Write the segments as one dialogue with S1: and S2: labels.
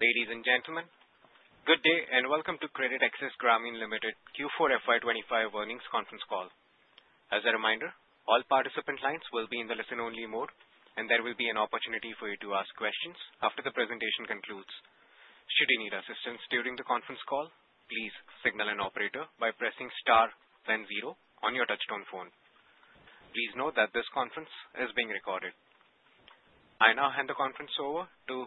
S1: Ladies and gentlemen, good day and welcome to CreditAccess Grameen Limited Q4 FY 2025 Earnings Conference Call. As a reminder, all participant lines will be in the listen-only mode, and there will be an opportunity for you to ask questions after the presentation concludes. Should you need assistance during the conference call, please signal an operator by pressing star then zero on your touchstone phone. Please note that this conference is being recorded. I now hand the conference over to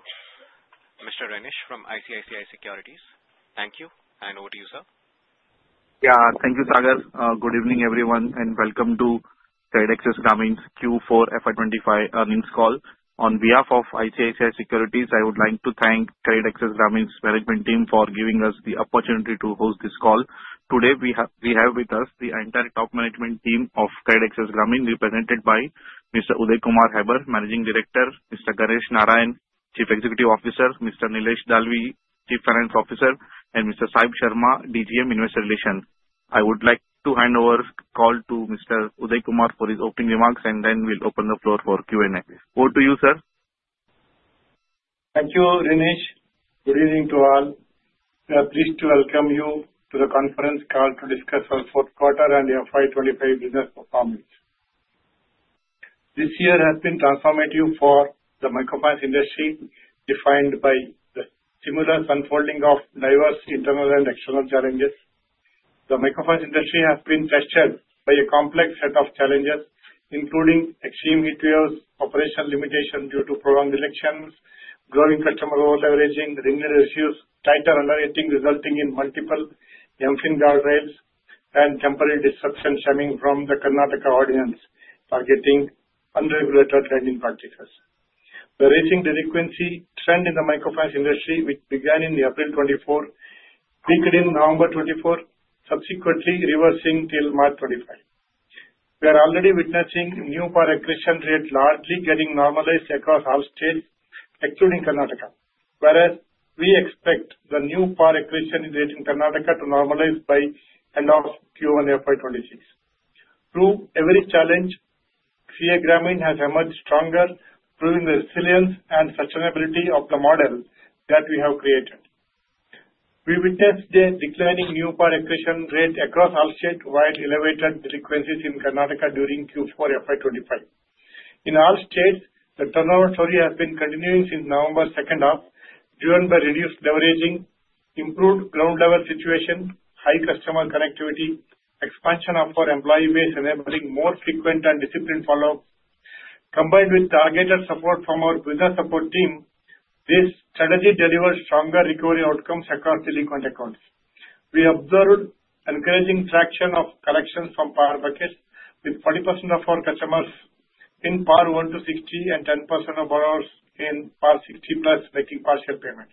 S1: Mr. Renish from ICICI Securities. Thank you, and over to you, sir.
S2: Yeah, thank you, Tagar. Good evening, everyone, and welcome to CreditAccess Grameen's Q4 FY 2025 Earnings Call. On behalf of ICICI Securities, I would like to thank CreditAccess Grameen's management team for giving us the opportunity to host this call. Today, we have with us the entire top management team of CreditAccess Grameen, represented by Mr. Udaya Kumar Hebbar, Managing Director; Mr. Ganesh Narayanan, Chief Executive Officer; Mr. Nilesh Dalvi, Chief Financial Officer; and Mr. Sahib Sharma, DGM Investor Relations. I would like to hand over the call to Mr. Udaya Kumar for his opening remarks, and then we'll open the floor for Q&A. Over to you, sir.
S3: Thank you, Renish. Good evening to all. Pleased to welcome you to the conference call to discuss our fourth quarter and FY 2025 business performance. This year has been transformative for the microfinance industry, defined by the stimulus unfolding of diverse internal and external challenges. The microfinance industry has been tested by a complex set of challenges, including extreme ETOs, operational limitations due to prolonged elections, growing customer over-leveraging, ringlet issues, tighter underrating resulting in multiple jumping guardrails, and temporary disruptions stemming from the Karnataka ordinance targeting unregulated lending practices. The rising delinquency trend in the microfinance industry, which began in April 2024, peaked in November 2024, subsequently reversing till March 2025. We are already witnessing new power acquisition rates largely getting normalized across all states, excluding Karnataka, whereas we expect the new power acquisition rate in Karnataka to normalize by the end of Q1 FY 2026. Through every challenge, CA Grameen has emerged stronger, proving the resilience and sustainability of the model that we have created. We witnessed the declining new PAR accretion rate across all states while elevated delinquencies in Karnataka during Q4 FY 2025. In all states, the turnover story has been continuing since November second half, driven by reduced leveraging, improved ground-level situation, high customer connectivity, expansion of our employee base, enabling more frequent and disciplined follow-up. Combined with targeted support from our business support team, this strategy delivers stronger recovery outcomes across delinquent accounts. We observed an encouraging fraction of collections from PAR buckets, with 40% of our customers in PAR 1-60, and 10% of others in PAR 60+, making partial payments.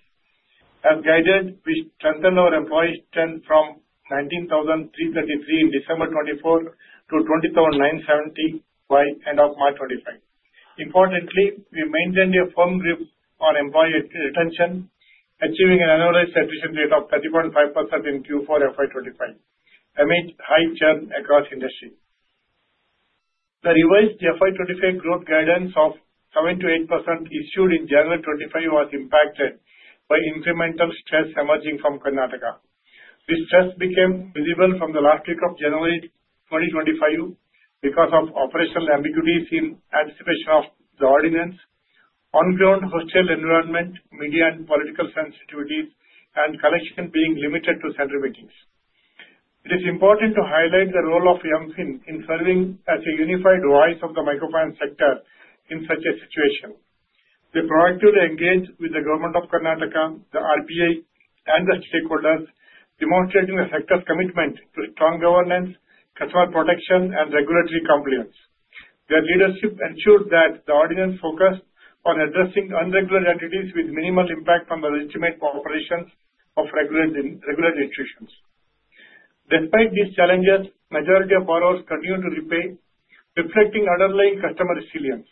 S3: As guided, we strengthened our employee strength from 19,333 in December 2024 to 20,970 by the end of March 2025. Importantly, we maintained a firm grip on employee retention, achieving an annualized attrition rate of 30.5% in Q4 FY 2025, amid high churn across the industry. The revised FY 2025 growth guidance of 7-8% issued in January 2025 was impacted by incremental stress emerging from Karnataka. This stress became visible from the last week of January 2025 because of operational ambiguities in anticipation of the ordinance, on-ground hostile environment, media and political sensitivities, and collection being limited to center meetings. It is important to highlight the role of MFIN in serving as a unified voice of the microfinance sector in such a situation. We proactively engaged with the Government of Karnataka, the RBI, and the stakeholders, demonstrating the sector's commitment to strong governance, customer protection, and regulatory compliance. Their leadership ensured that the ordinance focused on addressing unregulated entities with minimal impact on the legitimate operations of regulated institutions. Despite these challenges, the majority of borrowers continued to repay, reflecting underlying customer resilience.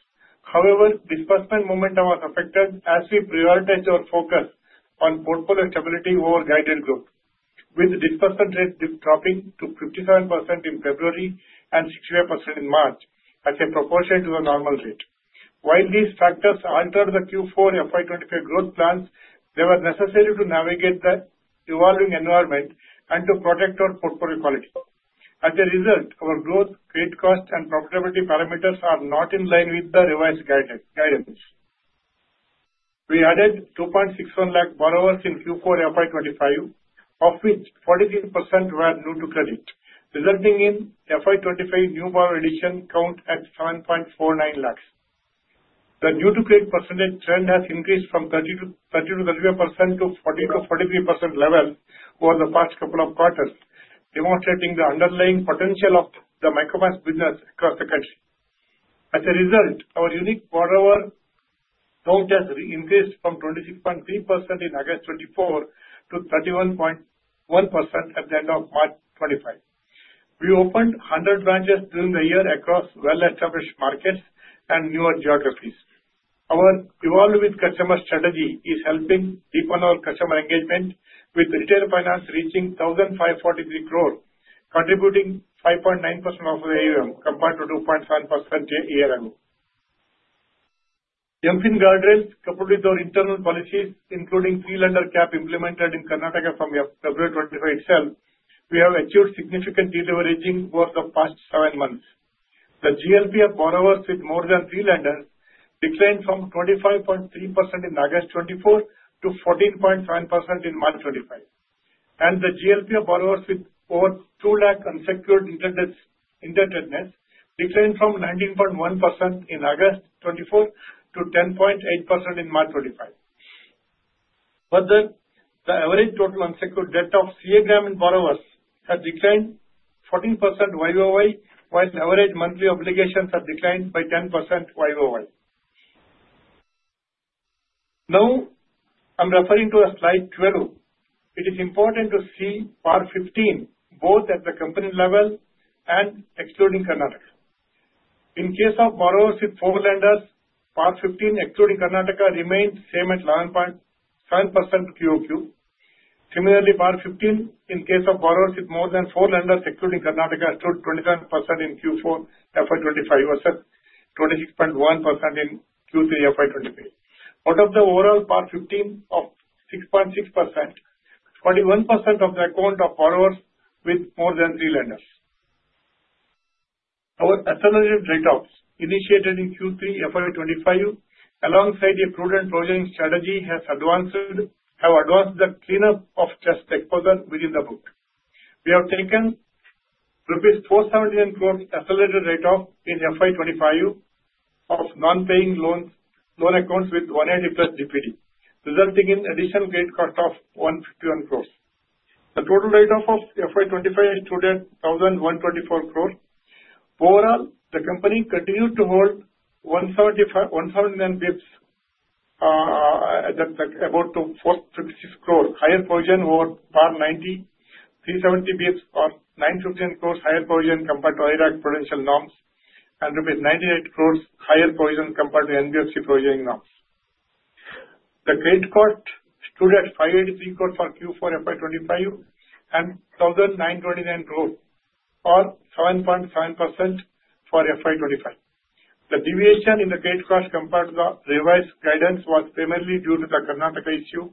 S3: However, disbursement momentum was affected as we prioritized our focus on portfolio stability over guided growth, with disbursement rates dropping to 57% in February and 65% in March as a proportion to the normal rate. While these factors altered the Q4 FY 2025 growth plans, they were necessary to navigate the evolving environment and to protect our portfolio quality. As a result, our growth, rate cost, and profitability parameters are not in line with the revised guidance. We added 2.61 lakh borrowers in Q4 FY 2025, of which 43% were new to credit, resulting in FY 2025 new borrower addition count at 7.49 lakh. The new-to-credit percentage trend has increased from 30-35% to 40-43% level over the past couple of quarters, demonstrating the underlying potential of the microfinance business across the country. As a result, our unique borrower count has increased from 26.3% in August 2024 to 31.1% at the end of March 2025. We opened 100 branches during the year across well-established markets and newer geographies. Our evolving customer strategy is helping deepen our customer engagement, with retail finance reaching 1,543 crore, contributing 5.9% of the AUM compared to 2.7% a year ago. MFIN guardrails, coupled with our internal policies, including three-lender cap implemented in Karnataka from February 2025 itself, we have achieved significant deleveraging over the past seven months. The GLP of borrowers with more than three lenders declined from 25.3% in August 2024 to 14.7% in March 2025. The GLP of borrowers with over 2 lakh unsecured debtors declined from 19.1% in August 2024 to 10.8% in March 2025. Further, the average total unsecured debt of CA Grameen borrowers has declined 14% YoY, while average monthly obligations have declined by 10% YoY. Now, I'm referring to slide 12. It is important to see PAR 15 both at the company level and excluding Karnataka. In case of borrowers with four lenders, PAR 15, excluding Karnataka, remained the same at 11.7% QoQ. Similarly, PAR 15, in case of borrowers with more than four lenders, excluding Karnataka, stood at 27% in Q4 FY 2025 versus 26.1% in Q3 FY 2025. Out of the overall PAR 15 of 6.6%, 41% is on account of borrowers with more than three lenders. Our accelerated rate of initiation in Q3 FY 2025, alongside a prudent closing strategy, has advanced the cleanup of stressed exposure within the book. We have taken rupees 4000 crore accelerated write-off in FY 2025 of non-paying loan accounts with 180+ DPD, resulting in additional credit cost of [112 crore]. The total write-off FY 2025 stood at 1124 crore. Overall, the company continued to hold 1,700 basis points at about INR 456 crore, higher provision over PAR 90, 370 basis points or 915 crore higher provision compared to IRAC provisional norms, and rupees 98 crore higher provision compared to NBFC provisioning norms. The credit cost stood at 583 crore for Q4 FY 2025 and 1929 crore, or 7.7%, for FY 2025. The deviation in the credit cost compared to the revised guidance was primarily due to the Karnataka issue.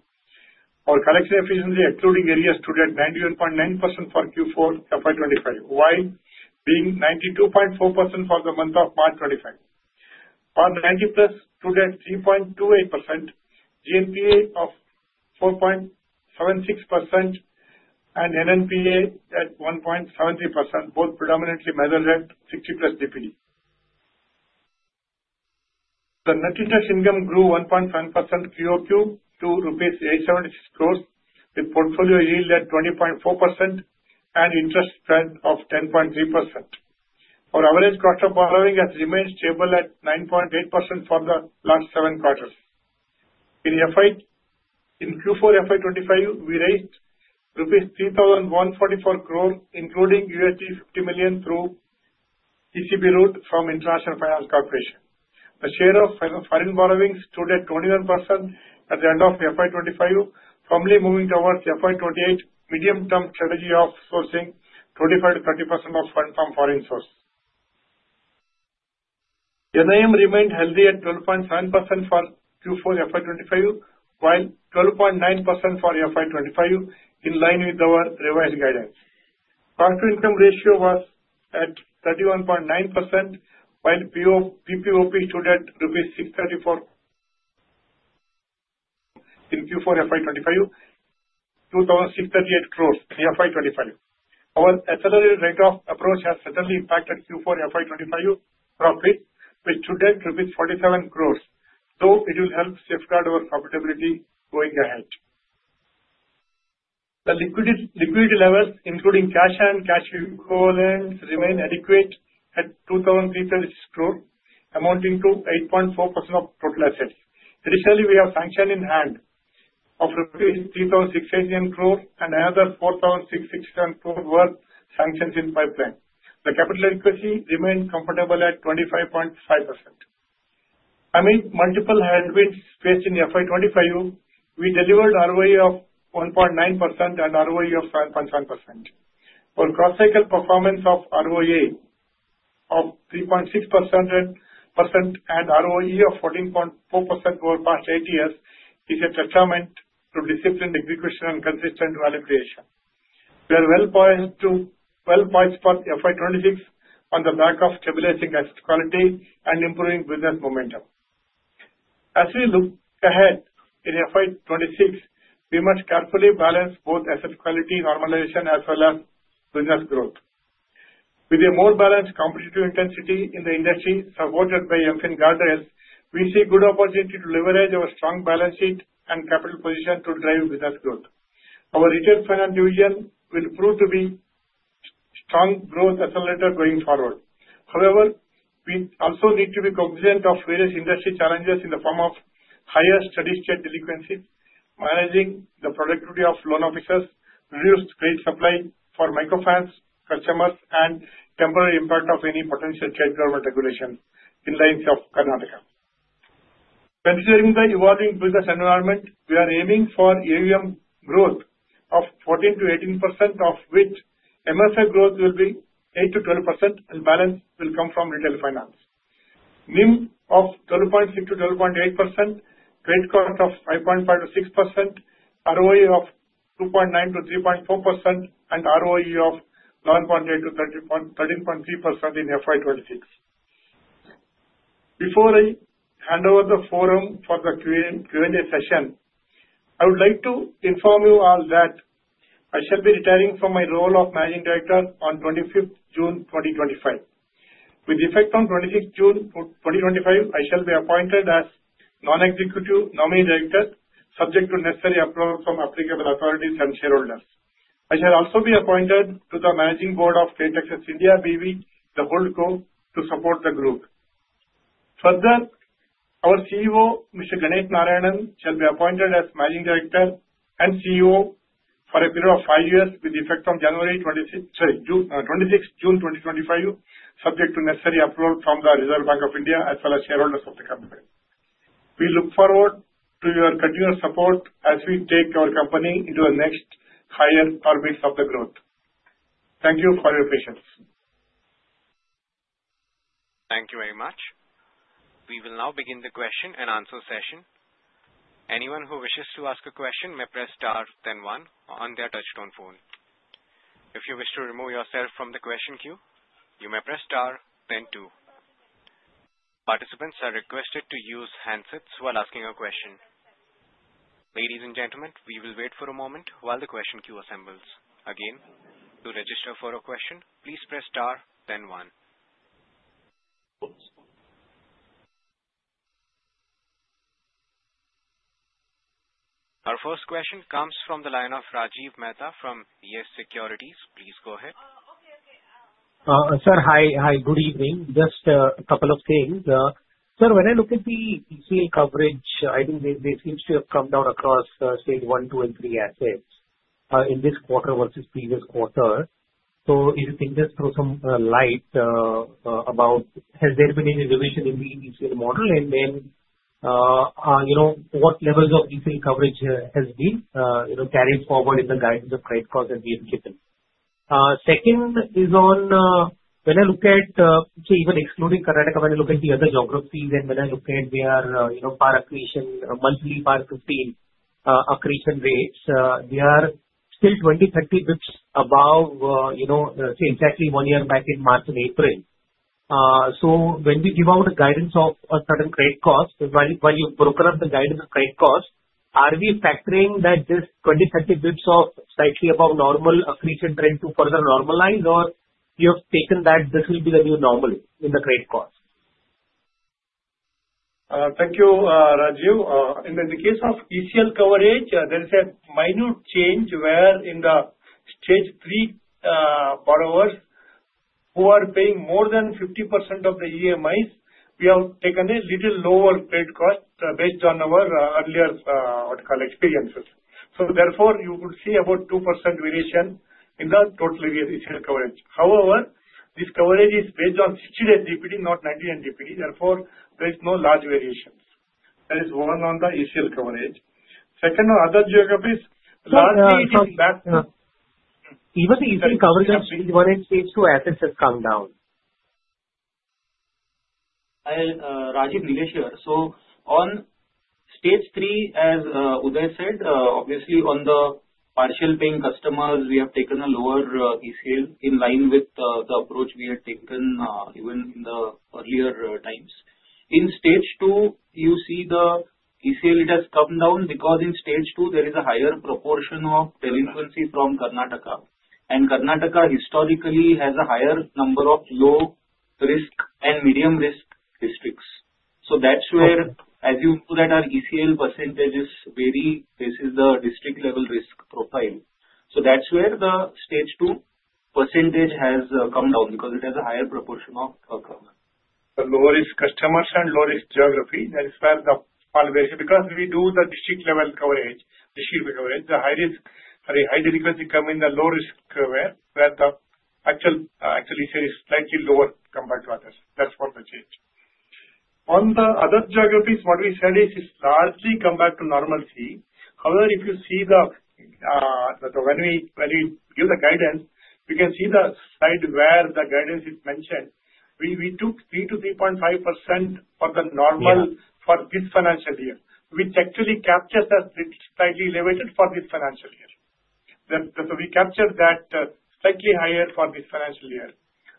S3: Our collection efficiency excluding area stood at 91.9% for Q4 FY 2025, while being 92.4% for the month of March 2025. PAR 90+ stood at 3.28%, GLP of 4.76%, and NNPA at 1.73%, both predominantly measured at 60+ DPD. The net interest income grew 1.7% QoQ to rupees 876 crore, with portfolio yield at 20.4% and interest spread of 10.3%. Our average cost of borrowing has remained stable at 9.8% for the last seven quarters. In Q4 FY 2025, we raised rupees 3,144 crore, including $50 million through ECB route from International Finance Corporation. The share of foreign borrowing stood at 21% at the end of FY 2025, firmly moving towards FY 2028 medium-term strategy of sourcing 25-30% of funds from foreign source. NIM remained healthy at 12.7% for Q4 FY 2025, while 12.9% for FY 2025, in line with our revised guidance. Cost-to-income ratio was at 31.9%, while PPOP stood at rupees 634 crore in Q4 FY 2025, 2,638 crore in FY 2025. Our accelerated rate of approach has certainly impacted Q4 FY 2025 profit, which stood at rupees 47 crore, though it will help safeguard our profitability going ahead. The liquidity levels, including cash and cash equivalents, remain adequate at 2,336 crore, amounting to 8.4% of total assets. Additionally, we have sanctions in hand of rupees 3,618 crore and another 4,667 crore worth sanctions in pipeline. The capital equity remained comfortable at 25.5%. Amid multiple headwinds faced in FY 2025, we delivered ROA of 1.9% and ROE of 7.7%. Our cross-cycle performance of ROA of 3.6% and ROE of 14.4% over the past eight years is a testament to disciplined execution and consistent value creation. We are well-poised to well-poised for FY 2026 on the back of stabilizing asset quality and improving business momentum. As we look ahead in FY 2026, we must carefully balance both asset quality normalization as well as business growth. With a more balanced competitive intensity in the industry supported by MFIN guardrails, we see good opportunity to leverage our strong balance sheet and capital position to drive business growth. Our retail finance division will prove to be a strong growth accelerator going forward. However, we also need to be cognizant of various industry challenges in the form of higher steady-state delinquencies, managing the productivity of loan officers, reduced credit supply for microfinance customers, and temporary impact of any potential state government regulation in the likes of Karnataka. Considering the evolving business environment, we are aiming for AUM growth of 14-18%, of which MFI growth will be 8-12%, and balance will come from retail finance. NIM of 12.6-12.8%, credit cost of 5.5-6%, ROA of 2.9-3.4%, and ROE of 11.8-13.3% in FY 2026. Before I hand over the forum for the Q&A session, I would like to inform you all that I shall be retiring from my role of Managing Director on 25th June, 2025. With effect on 26 June, 2025, I shall be appointed as Non-Executive Nominee Director, subject to necessary approval from applicable authorities and shareholders. I shall also be appointed to the Managing Board of CreditAccess India BV, [double crew] to support the group. Further, our CEO, Mr. Ganesh Narayanan, shall be appointed as Managing Director and CEO for a period of five years with effect from 26 June, 2025, subject to necessary approval from the Reserve Bank of India as well as shareholders of the company. We look forward to your continued support as we take our company into the next higher targets of the growth. Thank you for your patience.
S1: Thank you very much. We will now begin the question and answer session. Anyone who wishes to ask a question may press star then one on their touchstone phone. If you wish to remove yourself from the question queue, you may press star then two. Participants are requested to use handsets while asking a question. Ladies and gentlemen, we will wait for a moment while the question queue assembles. Again, to register for a question, please press star then one. Our first question comes from the line of Rajiv Mehta from Yes Securities. Please go ahead.
S4: Sir, hi. Hi. Good evening. Just a couple of things. Sir, when I look at the TCL coverage, I think they seem to have come down across stage I, II, and III assets in this quarter versus previous quarter. If you think this through, some light about has there been any revision in the ECL model and then what levels of ECL coverage has been carried forward in the guidance of credit costs that we have given. Second is on when I look at, so even excluding Karnataka, when I look at the other geographies and when I look at their PAR accretion, monthly PAR 15 accretion rates, they are still 20-30 bps above, say, exactly one year back in March and April. When we give out a guidance of a certain credit cost, when you broker up the guidance of credit cost, are we factoring that this 20-30 bps of slightly above normal accretion trend to further normalize, or you have taken that this will be the new normal in the credit cost?
S3: Thank you, Rajiv. In the case of ECL coverage, there is a minute change where in the stage III borrowers who are paying more than 50% of the EMIs, we have taken a little lower credit cost based on our earlier what we call experiences. Therefore, you could see about 2% variation in the total ECL coverage. However, this coverage is based on [60-day] DPD, not 99 DPD. Therefore, there is no large variation. That is one on the ECL coverage. Second, other geographies, largely it is back to.
S4: Even the ECL coverage on stage I and stage II assets have come down.
S5: Rajiv, Nilesh here. On stage III, as Uday said, obviously on the partial paying customers, we have taken a lower ECL in line with the approach we had taken even in the earlier times. In stage II, you see the ECL, it has come down because in stage II, there is a higher proportion of delinquency from Karnataka. And Karnataka historically has a higher number of low-risk and medium-risk districts. So that's where, as you know, that our ECL percentage is very basically the district-level risk profile. So that's where the stage II percentage has come down because it has a higher proportion of.
S3: Low-risk customers and low-risk geographies. That is where the valuation because we do the district-level coverage, district coverage, the high-risk, the high delinquency come in the low-risk where the actual ECL is slightly lower compared to others. That's what the change. On the other geographies, what we said is it's largely come back to normalcy. However, if you see the when we give the guidance, you can see the slide where the guidance is mentioned. We took 3-3.5% for the normal for this financial year, which actually captures us slightly elevated for this financial year. We captured that slightly higher for this financial year.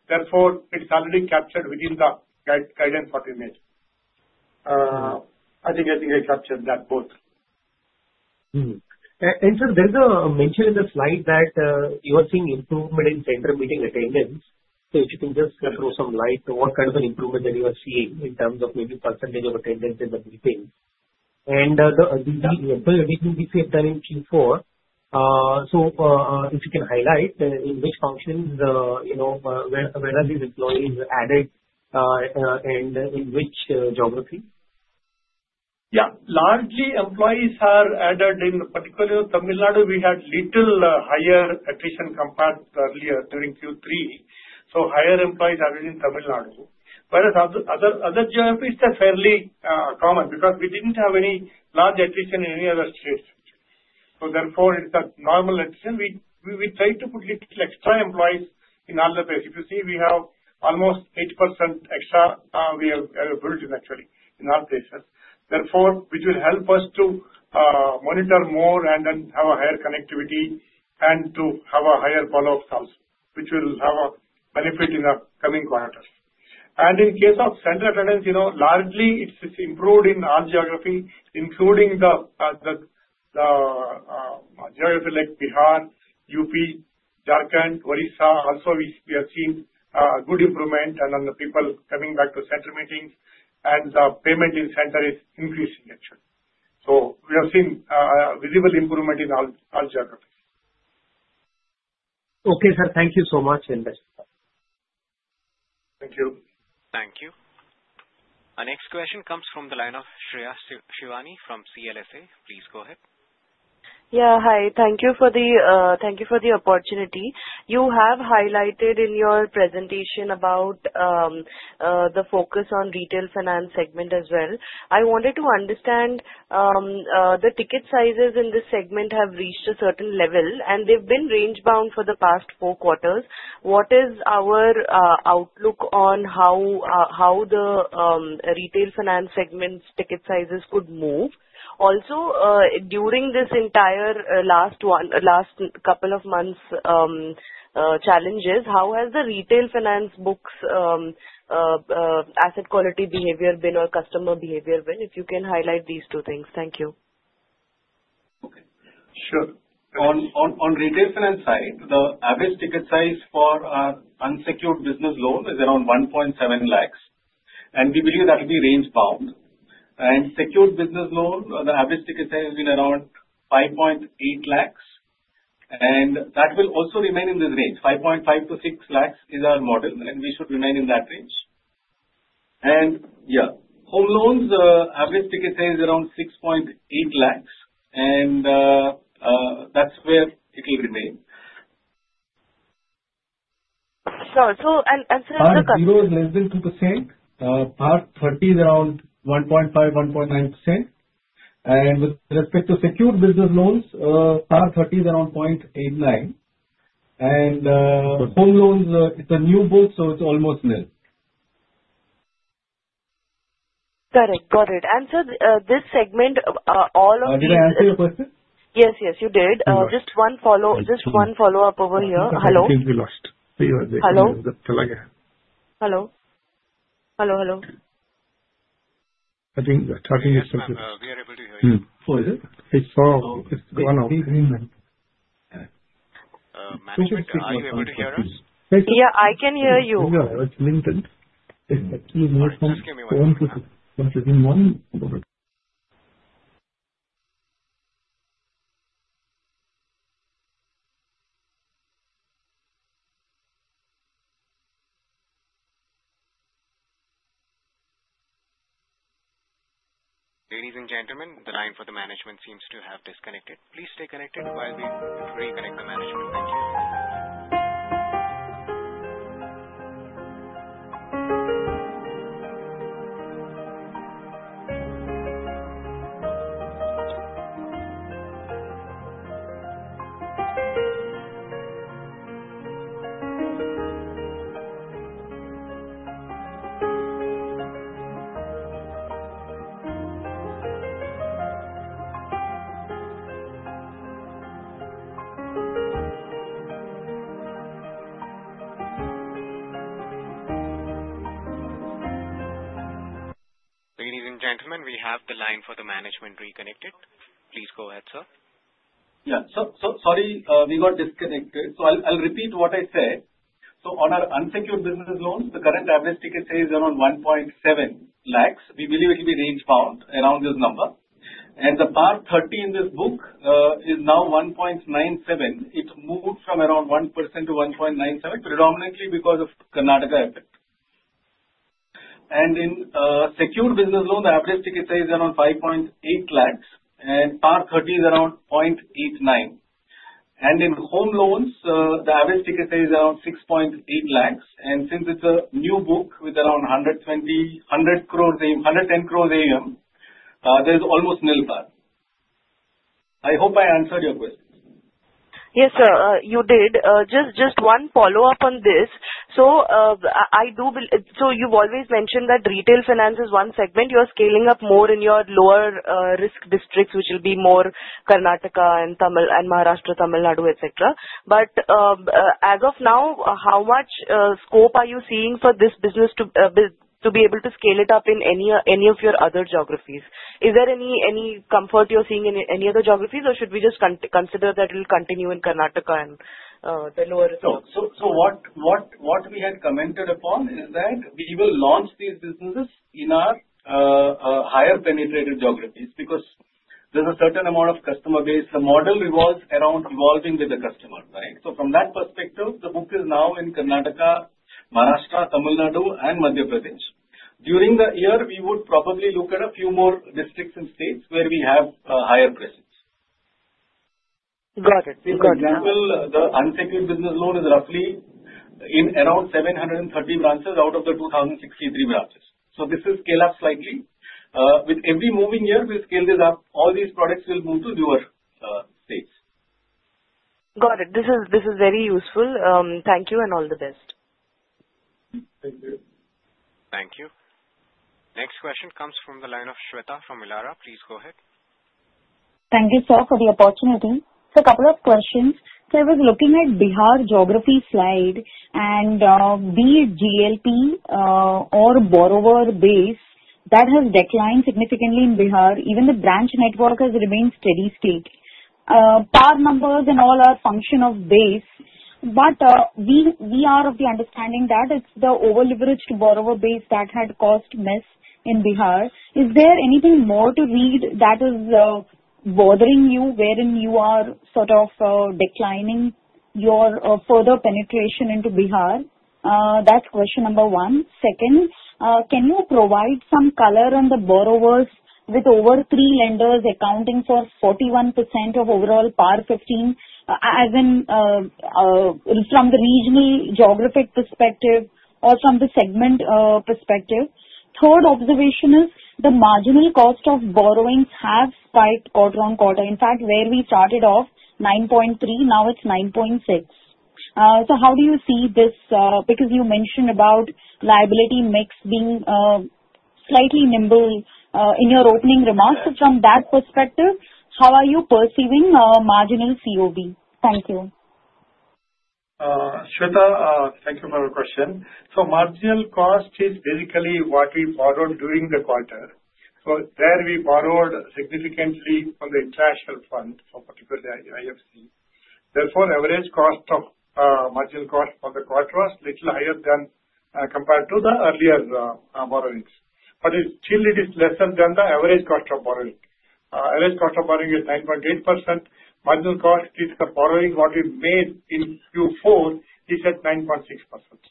S3: Therefore, it is already captured within the guidance for the image. I think I captured that both.
S4: Sir, there is a mention in the slide that you are seeing improvement in center meeting attendance. If you can just throw some light on what kind of an improvement you are seeing in terms of maybe percentage of attendance in the meeting. The employee addition we see have done in Q4. If you can highlight in which functions, where are these employees added, and in which geography?
S3: Yeah. Largely, employees are added in particular Tamil Nadu. We had little higher attrition compared to earlier during Q3. Higher employees are within Tamil Nadu. Whereas other geographies, they're fairly common because we didn't have any large attrition in any other states. Therefore, it's a normal attrition. We try to put little extra employees in all the places. If you see, we have almost 8% extra we have built in actually in all places. Therefore, which will help us to monitor more and then have a higher connectivity and to have a higher follow-up sales, which will have a benefit in the coming quarters. In case of center attendance, largely it's improved in all geography, including the geography like Bihar, UP, Jharkhand, Odisha. Also, we have seen a good improvement and the people coming back to center meetings and the payment in center is increasing actually. We have seen a visible improvement in all geographies.
S4: Okay, sir. Thank you so much [in there].
S3: Thank you.
S1: Thank you. Our next question comes from the line of Shreya Shivani from CLSA. Please go ahead.
S6: Yeah. Hi. Thank you for the thank you for the opportunity. You have highlighted in your presentation about the focus on retail finance segment as well. I wanted to understand the ticket sizes in this segment have reached a certain level and they've been range-bound for the past four quarters. What is our outlook on how the retail finance segment's ticket sizes could move? Also, during this entire last couple of months' challenges, how has the retail finance book's asset quality behavior been or customer behavior been? If you can highlight these two things. Thank you.
S3: Okay. Sure.
S7: On retail finance side, the average ticket size for our unsecured business loan is around 1.7 lakh. And we believe that will be range-bound. And secured business loan, the average ticket size has been around 5.8 lakh. That will also remain in this range. 5.5-6 lakh is our model. We should remain in that range. Home loans, the average ticket size is around 6.8 lakh. That is where it will remain.
S6: Sir.
S3: PAR 0 is less than 2%. PAR 30 is around 1.5-1.9%. With respect to secured business loans, PAR 30 is around 0.89%. Home loans, it is a new book, so it is almost nil.
S6: Got it. Got it. Sir, this segment, all of the.
S3: Did I answer your question?
S6: Yes, yes, you did. Just one follow-up over here. Hello?
S3: I think we lost.
S6: Hello? Hello? Hello, hello.
S3: I think the talking is something.
S1: Are you able to hear us?
S6: Yeah, I can hear you.
S3: Yeah, [it is Linton]. It's actually more from phone to phone to phone.
S1: Ladies and gentlemen, the line for the management seems to have disconnected. Please stay connected while we reconnect the management. Thank you. Ladies and gentlemen, we have the line for the management reconnected. Please go ahead, sir.
S7: Yeah. Sorry, we got disconnected. I'll repeat what I said. On our unsecured business loans, the current average ticket size is around 1.7 lakh. We believe it will be range-bound around this number. The PAR 30 in this book is now 1.97%. It moved from around 1% to 1.97%, predominantly because of the Karnataka effect. In secured business loans, the average ticket size is around 5.8 lakh, and PAR 30 is around 0.89%. In home loans, the average ticket size is around 6.8 lakh, and since it's a new book with around 110 crore AUM, there's almost nil PAR. I hope I answered your question.
S6: Yes, sir, you did. Just one follow-up on this. I do believe you have always mentioned that retail finance is one segment. You are scaling up more in your lower-risk districts, which will be more Karnataka and Maharashtra, Tamil Nadu, etc. As of now, how much scope are you seeing for this business to be able to scale it up in any of your other geographies? Is there any comfort you are seeing in any other geographies, or should we just consider that it will continue in Karnataka and the lower?
S7: What we had commented upon is that we will launch these businesses in our higher-penetrated geographies because there is a certain amount of customer base. The model revolves around evolving with the customers, right? From that perspective, the book is now in Karnataka, Maharashtra, Tamil Nadu, and Madhya Pradesh. During the year, we would probably look at a few more districts and states where we have a higher presence.
S6: Got it.
S7: For example, the unsecured business loan is roughly in around 730 branches out of the 2,063 branches. So this is scaled up slightly. With every moving year, we will scale this up. All these products will move to newer states.
S6: Got it. This is very useful. Thank you and all the best.
S3: Thank you.
S1: Thank you. Next question comes from the line of Shweta from Elara. Please go ahead.
S8: Thank you, sir, for the opportunity. So a couple of questions. I was looking at Bihar geography slide and be it GLP or borrower base, that has declined significantly in Bihar. Even the branch network has remained steady state. PAR numbers and all are a function of base. We are of the understanding that it is the over-leveraged borrower base that had caused mess in Bihar. Is there anything more to read that is bothering you wherein you are sort of declining your further penetration into Bihar? That is question number one. Second, can you provide some color on the borrowers with over three lenders accounting for 41% of overall PAR 15 as in from the regional geographic perspective or from the segment perspective? Third observation is the marginal cost of borrowings have spiked quarter-on-quarter. In fact, where we started off 9.3%, now it is INR 9.6%. How do you see this? Because you mentioned about liability mix being slightly nimble in your opening remarks. From that perspective, how are you perceiving marginal COB? Thank you.
S3: Shweta, thank you for your question. Marginal cost is basically what we borrowed during the quarter. There we borrowed significantly from the international fund, particularly IFC. Therefore, average cost of marginal cost for the quarter was a little higher than compared to the earlier borrowings. Still, it is lesser than the average cost of borrowing. Average cost of borrowing is 9.8%. Marginal cost, it's the borrowing what we made in Q4 is at 9.6%.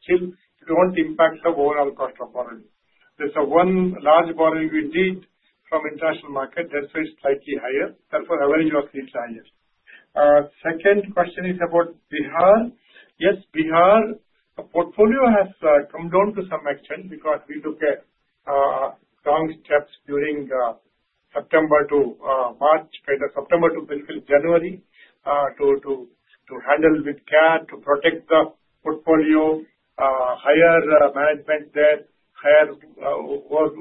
S3: Still, it will not impact the overall cost of borrowing. There is one large borrowing we did from international market. That is why it is slightly higher. Therefore, average was a little higher. Second question is about Bihar. Yes, Bihar portfolio has come down to some extent because we took wrong steps during September to March, kind of September to basically January to handle with [care] to protect the portfolio, higher management there, higher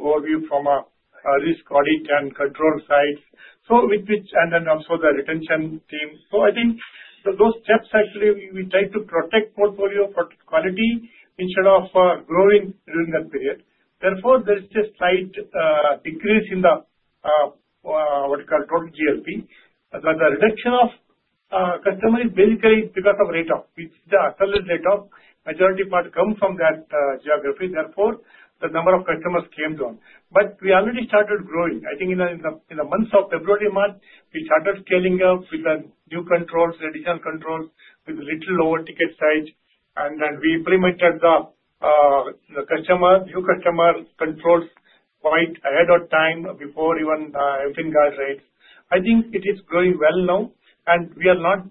S3: overview from a risk audit and control side. With which, and then also the retention team. I think those steps actually we try to protect portfolio for quality instead of growing during that period. Therefore, there's just slight decrease in what we call total GLP. The reduction of customers is basically because of rate of, which is the accelerated rate. Majority part comes from that geography. Therefore, the number of customers came down. We already started growing. I think in the months of February-March, we started scaling up with the new controls, additional controls with a little lower ticket size. We implemented the new customer controls quite ahead of time before even everything got ready. I think it is growing well now. We are not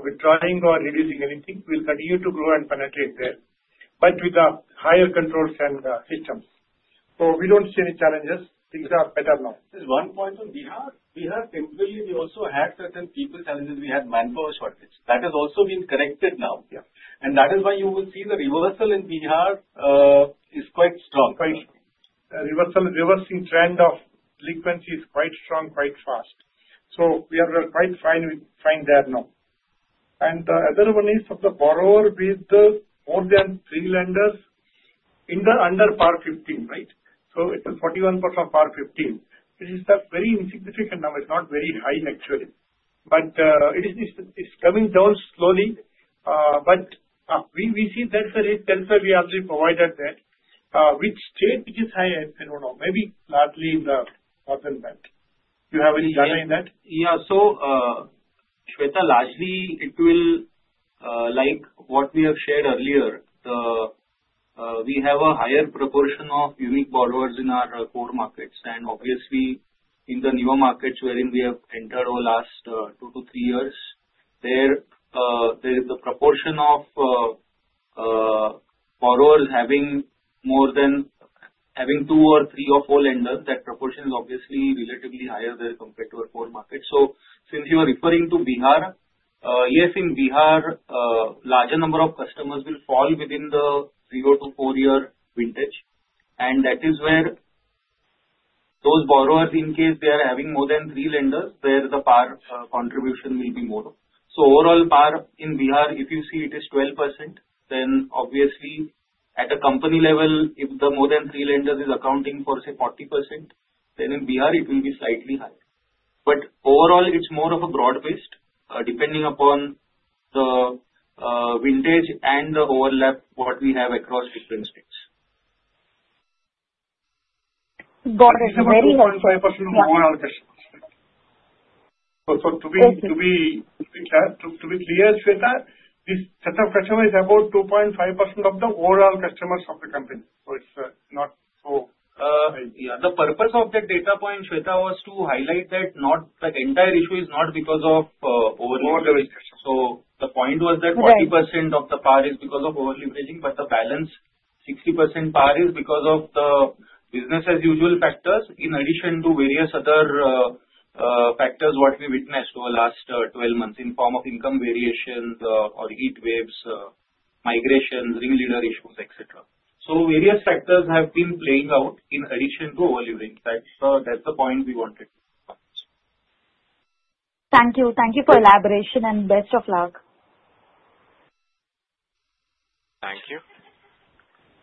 S3: withdrawing or reducing anything. We'll continue to grow and penetrate there, but with the higher controls and systems. We do not see any challenges. Things are better now.
S7: There is one point on Bihar. Bihar temporarily, we also had certain people challenges. We had manpower shortage. That has also been corrected now. That is why you will see the reversal in Bihar is quite strong.
S3: Quite strong. Reversing trend of [delinquency] is quite strong, quite fast. We are quite fine there now. The other one is of the borrower with more than three lenders under PAR 15, right? It is 41% of PAR 15, which is a very insignificant number. It's not very high actually. It's coming down slowly. We see that's a rate that we actually provided that. Which state is higher? I don't know. Maybe largely in the [northern bank]. Do you have any data in that?
S5: Yeah. Shweta, largely it will like what we have shared earlier. We have a higher proportion of unique borrowers in our core markets. Obviously, in the newer markets wherein we have entered over the last two to three years, there is the proportion of borrowers having two or three or four lenders. That proportion is relatively higher there compared to our core market. Since you are referring to Bihar, yes, in Bihar, a larger number of customers will fall within the three or two four-year vintage. That is where those borrowers, in case they are having more than three lenders, the PAR contribution will be more. Overall PAR in Bihar, if you see, it is 12%. At a company-level, if the more than three lenders is accounting for, say, 40%, then in Bihar, it will be slightly higher. Overall, it is more of a broad-based, depending upon the vintage and the overlap we have across different states.
S8: Got it.
S3: 2.5% of overall customers. To be clear, Shweta, this set of customers is about 2.5% of the overall customers of the company.
S5: The purpose of that data point, Shweta, was to highlight that the entire issue is not because of over-leveraged customers. The point was that 40% of the PAR is because of over-leveraging, but the balance 60% PAR is because of the business-as-usual factors in addition to various other factors we witnessed over the last 12 months in the form of income variations or heat waves, migrations, ring leader issues, etc. Various factors have been playing out in addition to over-leveraging. That is the point we wanted to make.
S8: Thank you. Thank you for the elaboration and best of luck.
S1: Thank you.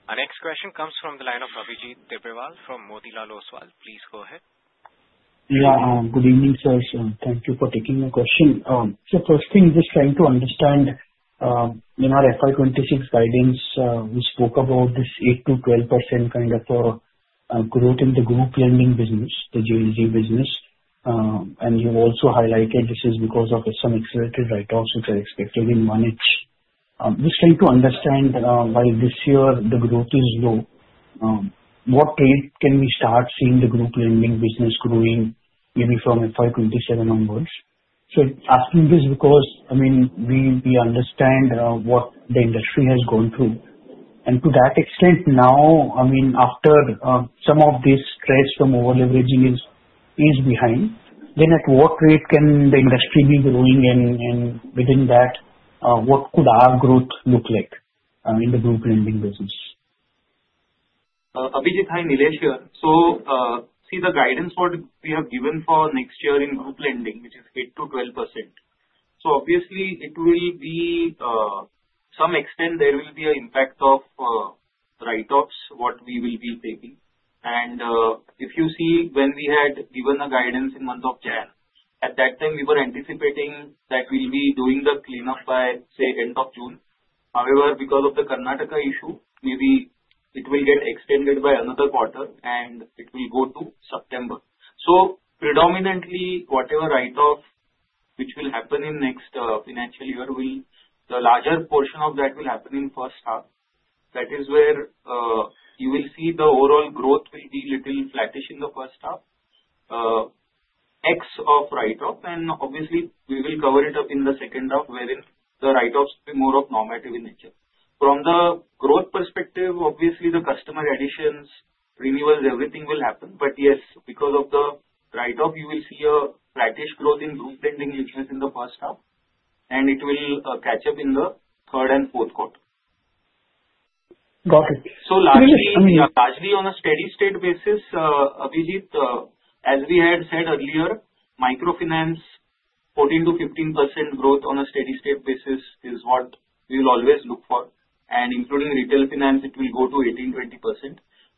S1: Our next question comes from the line of Abhijit Tibrewal from Motilal Oswal. Please go ahead.
S9: Yeah. Good evening, sir. Thank you for taking my question. First thing, just trying to understand in our FY 2026 guidance, we spoke about this 8%-12% kind of growth in the group lending business, the JLG business. You also highlighted this is because of some accelerated write-offs which are expected in 1H. Just trying to understand why this year the growth is low. What rate can we start seeing the group lending business growing maybe from FY 2027 onwards? I am asking this because, I mean, we understand what the industry has gone through. To that extent now, I mean, after some of these threats from over-leveraging is behind, at what rate can the industry be growing? Within that, what could our growth look like in the group lending business?
S5: Abhijit, hi, Nilesh here. See, the guidance what we have given for next year in group lending, which is 8%-12%. Obviously, it will be to some extent, there will be an impact of write-offs what we will be taking. If you see, when we had given the guidance in the month of January, at that time we were anticipating that we would be doing the cleanup by, say, end of June. However, because of the Karnataka issue, maybe it will get extended by another quarter and it will go to September. Predominantly, whatever write-off which will happen in next financial year, the larger portion of that will happen in the first half. That is where you will see the overall growth will be a little flattish in the first half, excluding write-off. Obviously, we will cover it up in the second half wherein the write-offs will be more of normative in nature. From the growth perspective, obviously, the customer additions, renewals, everything will happen. Yes, because of the write-off, you will see a flattish growth in group lending in the first half. It will catch up in the third and fourth quarter.
S9: Got it.
S5: Largely on a steady state basis, Abhijit, as we had said earlier, microfinance, 14-15% growth on a steady state basis is what we will always look for. Including retail finance, it will go to 18-20%.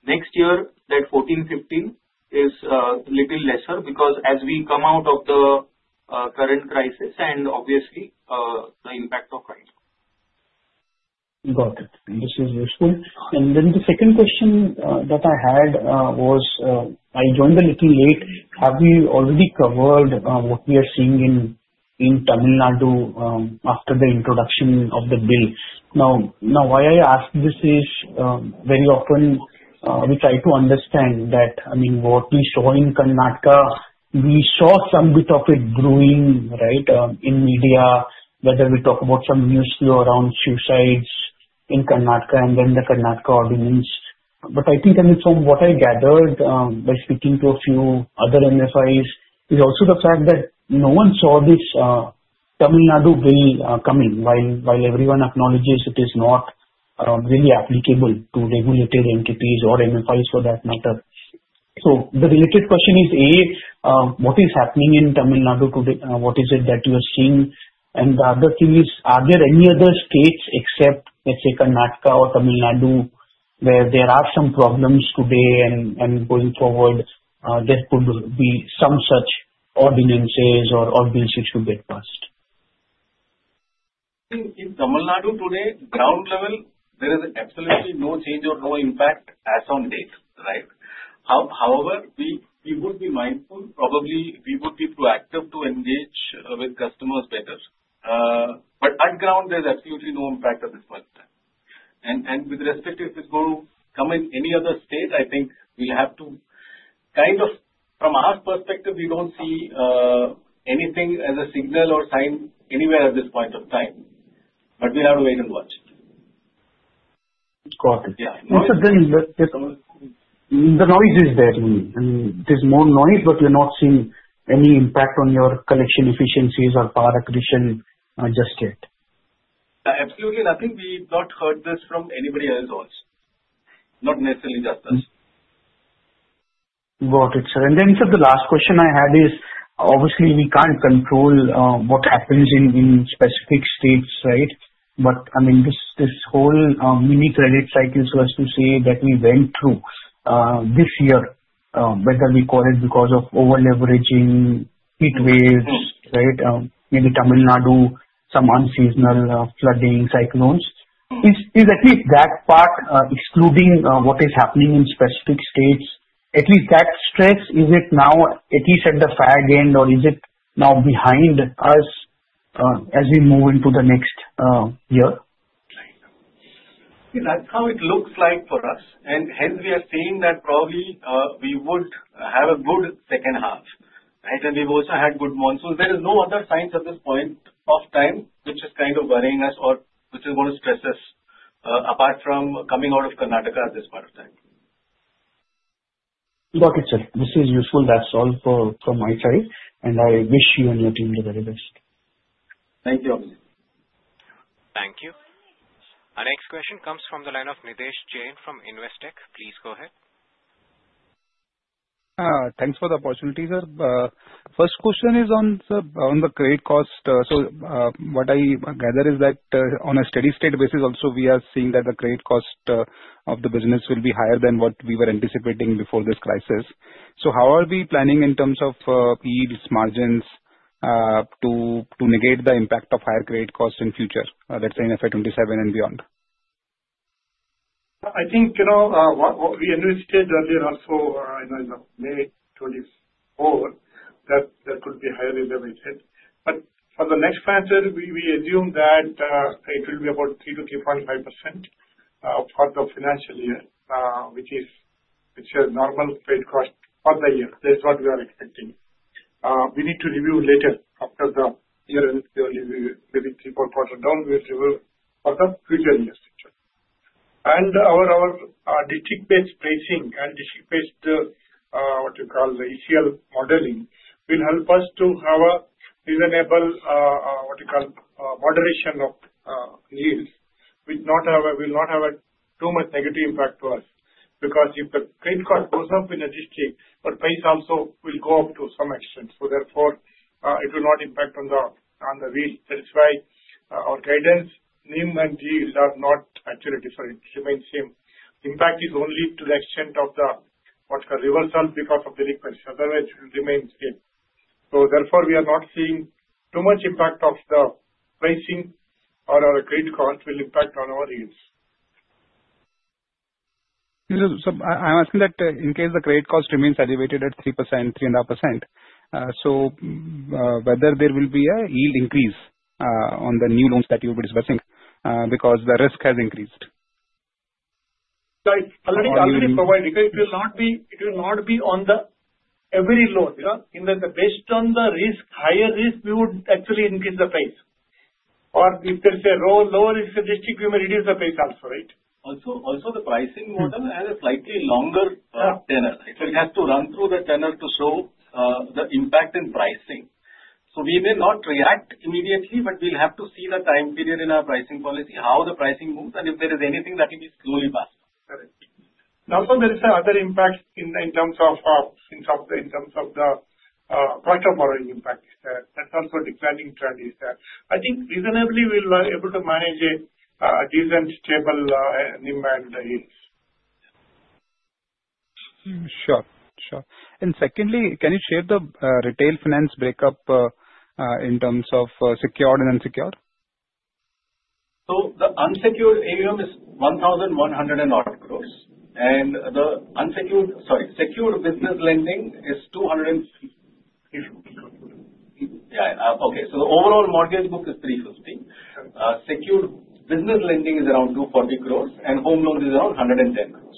S5: Next year, that 14-15% is a little lesser because as we come out of the current crisis and obviously the impact of write-off.
S9: Got it. This is useful. The second question that I had was I joined a little late. Have we already covered what we are seeing in Tamil Nadu after the introduction of the bill? Now, why I ask this is very often we try to understand that, I mean, what we saw in Karnataka, we saw some bit of it brewing, right, in media, whether we talk about some news around suicides in Karnataka and then the Karnataka ordinance. I think from what I gathered by speaking to a few other MFIs is also the fact that no one saw this Tamil Nadu bill coming while everyone acknowledges it is not really applicable to regulated entities or MFIs for that matter. The related question is, A, what is happening in Tamil Nadu today? What is it that you are seeing? The other thing is, are there any other states except, let's say, Karnataka or Tamil Nadu where there are some problems today and going forward there could be some such ordinances or ordinances should get passed?
S7: In Tamil Nadu today, ground level, there is absolutely no change or no impact as of date, right? However, we would be mindful. Probably we would be proactive to engage with customers better. At ground, there is absolutely no impact at this point in time. With respect if it's going to come in any other state, I think we'll have to kind of from our perspective, we don't see anything as a signal or sign anywhere at this point of time. We have to wait and watch.
S9: Got it.
S3: What's something you had yet to cover?
S9: I mean, there's more noise, but we are not seeing any impact on your collection efficiencies or PAR acquisition just yet.
S7: Absolutely nothing. We've not heard this from anybody else also. Not necessarily just us.
S9: Got it, sir. The last question I had is, obviously, we can't control what happens in specific states, right? I mean, this whole mini credit cycle was to say that we went through this year, whether we call it because of over-leveraging, heat waves, right? Maybe Tamil Nadu, some unseasonal flooding, cyclones. Is at least that part excluding what is happening in specific states, at least that stress, is it now at least at the fag end or is it now behind us as we move into the next year?
S7: How it looks like for us. Hence, we are seeing that probably we would have a good second half, right? We have also had good months. There is no other sign at this point of time which is kind of worrying us or which is going to stress us apart from coming out of Karnataka at this point of time.
S9: Got it, sir. This is useful. That is all from my side. I wish you and your team the very best.
S7: Thank you, Abhijit.
S1: Thank you. Our next question comes from the line of Nidhesh Jain from Investec. Please go ahead.
S10: Thanks for the opportunity, sir. First question is on the credit cost. What I gather is that on a steady state basis, also we are seeing that the credit cost of the business will be higher than what we were anticipating before this crisis. How are we planning in terms of yields, margins to negate the impact of higher credit cost in future, let's say in financial year 2027 and beyond?
S3: I think what we enlisted earlier also, I know in May 2024, that there could be higher elevated. For the next quarter, we assume that it will be about 3-3.5% for the financial year, which is normal credit cost for the year. That's what we are expecting. We need to review later after the year end, maybe three, four quarters down, we will review for the future years. Our district-based pricing and district-based, what you call, the ECL modeling will help us to have a reasonable, what you call, moderation of yields, which will not have too much negative impact to us. Because if the credit cost goes up in a district, the price also will go up to some extent. Therefore, it will not impact on the yield. That is why our guidance, NIM and yield are not actually different. It remains the same. Impact is only to the extent of the, what you call, reversal because of [daily price]. Otherwise, it remains the same. Therefore, we are not seeing too much impact of the pricing or our credit cost will impact on our yields.
S10: I'm asking that in case the credit cost remains elevated at 3%-3.5%, whether there will be a yield increase on the new loans that you will be discussing because the risk has increased.
S3: Already provided. It will not be on every loan. Based on the risk, higher risk, we would actually increase the price. If there is a lower district, we may reduce the price also, right?
S7: Also, the pricing model has a slightly longer tenor. It has to run through the tenor to show the impact in pricing. We may not react immediately, but we will have to see the time period in our pricing policy, how the pricing moves, and if there is anything that it is slowly passed.
S3: Correct. Also, there is another impact in terms of the quarter borrowing impact. That is also a declining trend. I think reasonably we will be able to manage a decent stable [NIM and the yields].
S10: Sure. Sure. Secondly, can you share the retail finance breakup in terms of secured and unsecured?
S7: The unsecured AUM is 1,100 crore and the secured business lending is 250 crore. Okay. The overall mortgage book is 350 crore. Secured business lending is around 240 crore, and home loans is around 110 crore.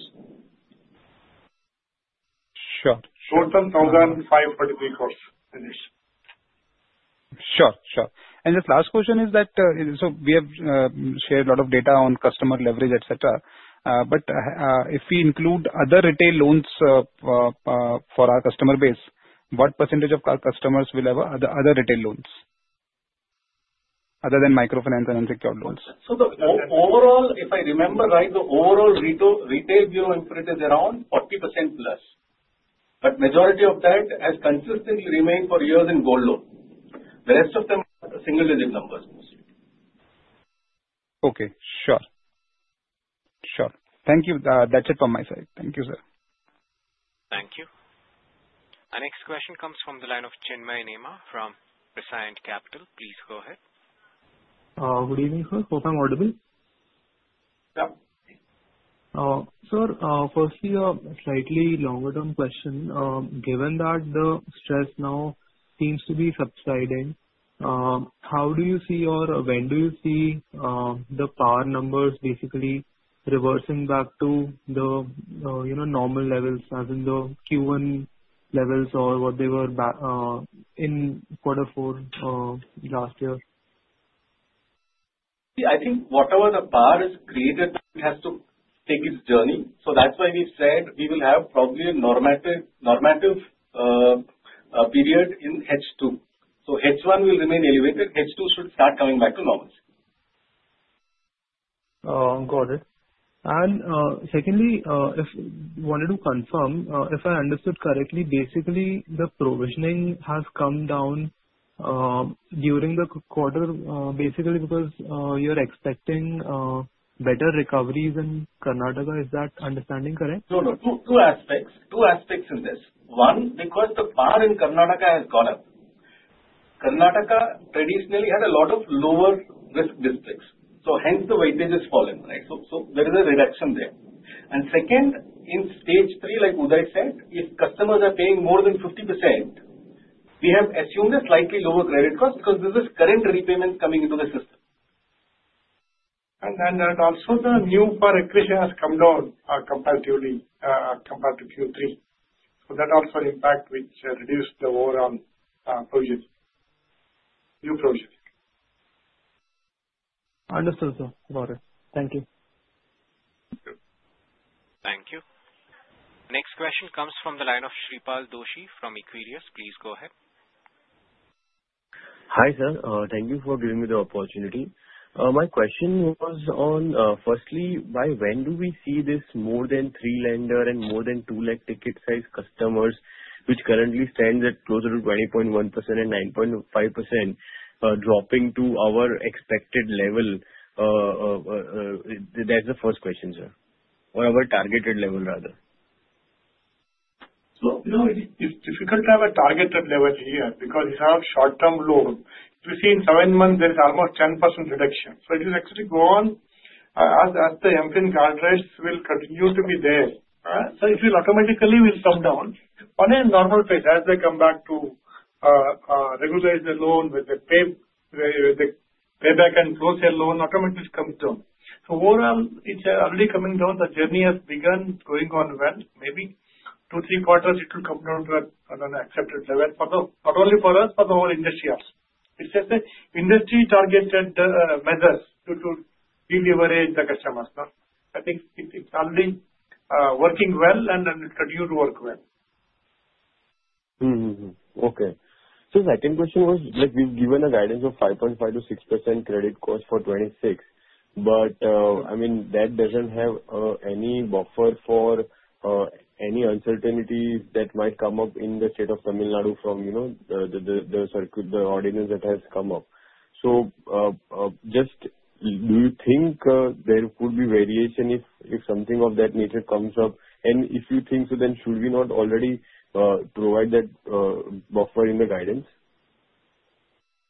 S10: Sure.
S3: Short term, 1,543 crore.
S10: Sure. Sure. And this last question is that so we have shared a lot of data on customer leverage, etc. If we include other retail loans for our customer base, what percentage of our customers will have other retail loans other than microfinance and unsecured loans?
S7: Overall, if I remember right, the overall retail [bureau imprint] is around 40%+. Majority of that has consistently remained for years in gold loan. The rest of them are single-digit numbers.
S10: Okay. Sure. Sure. Thank you. That's it from my side. Thank you, sir.
S1: Thank you. Our next question comes from the line of Chinmay Nema from Prescient Capital. Please go ahead.
S11: Good evening, sir. Hope I'm audible.
S7: Yep.
S11: Sir, firstly, a slightly longer-term question. Given that the stress now seems to be subsiding, how do you see or when do you see the PAR numbers basically reversing back to the normal levels as in the Q1 levels or what they were in quarter four last year?
S7: I think whatever the PAR is created, it has to take its journey. That is why we said we will have probably a normative period in H2. H1 will remain elevated. H2 should start coming back to normal.
S11: Got it. Secondly, if you wanted to confirm, if I understood correctly, basically the provisioning has come down during the quarter basically because you are expecting better recoveries in Karnataka. Is that understanding correct?
S7: No, no. Two aspects. Two aspects in this. One, because the PAR in Karnataka has gone up. Karnataka traditionally had a lot of lower-risk districts. Hence the weightage has fallen, right? There is a reduction there. Second, in stage III, like Uday said, if customers are paying more than 50%, we have assumed a slightly lower credit cost because this is current repayments coming into the system.
S3: Also, the new PAR acquisition has come down comparatively compared to Q3. That also impacts, which reduced the overall new provision.
S11: Understood, sir. Got it. Thank you.
S1: Thank you. Next question comes from the line of Shreepal Doshi from Equirus. Please go ahead.
S12: Hi sir. Thank you for giving me the opportunity. My question was on, firstly, by when do we see this more than three-lender and more than two-lakh ticket size customers, which currently stands at closer to 20.1% and 9.5%, dropping to our expected level? That is the first question, sir, or our targeted level rather.
S3: No, it's difficult to have a targeted level here because you have short-term loan. We've seen seven months, there is almost 10% reduction. It is actually gone as the MPIN guardrails will continue to be there. It will automatically come down on a normal pace as they come back to regularize the loan with the payback and close their loan automatically comes down. Overall, it's already coming down. The journey has begun, going on well. Maybe two-three quarters, it will come down to an accepted level not only for us, but the whole industry also. It's just the industry targeted measures to deleverage the customers. I think it's already working well and continued to work well.
S12: Okay. The second question was, we've given a guidance of 5.5-6% credit cost for 2026. I mean, that does not have any buffer for any uncertainties that might come up in the state of Tamil Nadu from the ordinance that has come up. Do you think there would be variation if something of that nature comes up? If you think so, then should we not already provide that buffer in the guidance?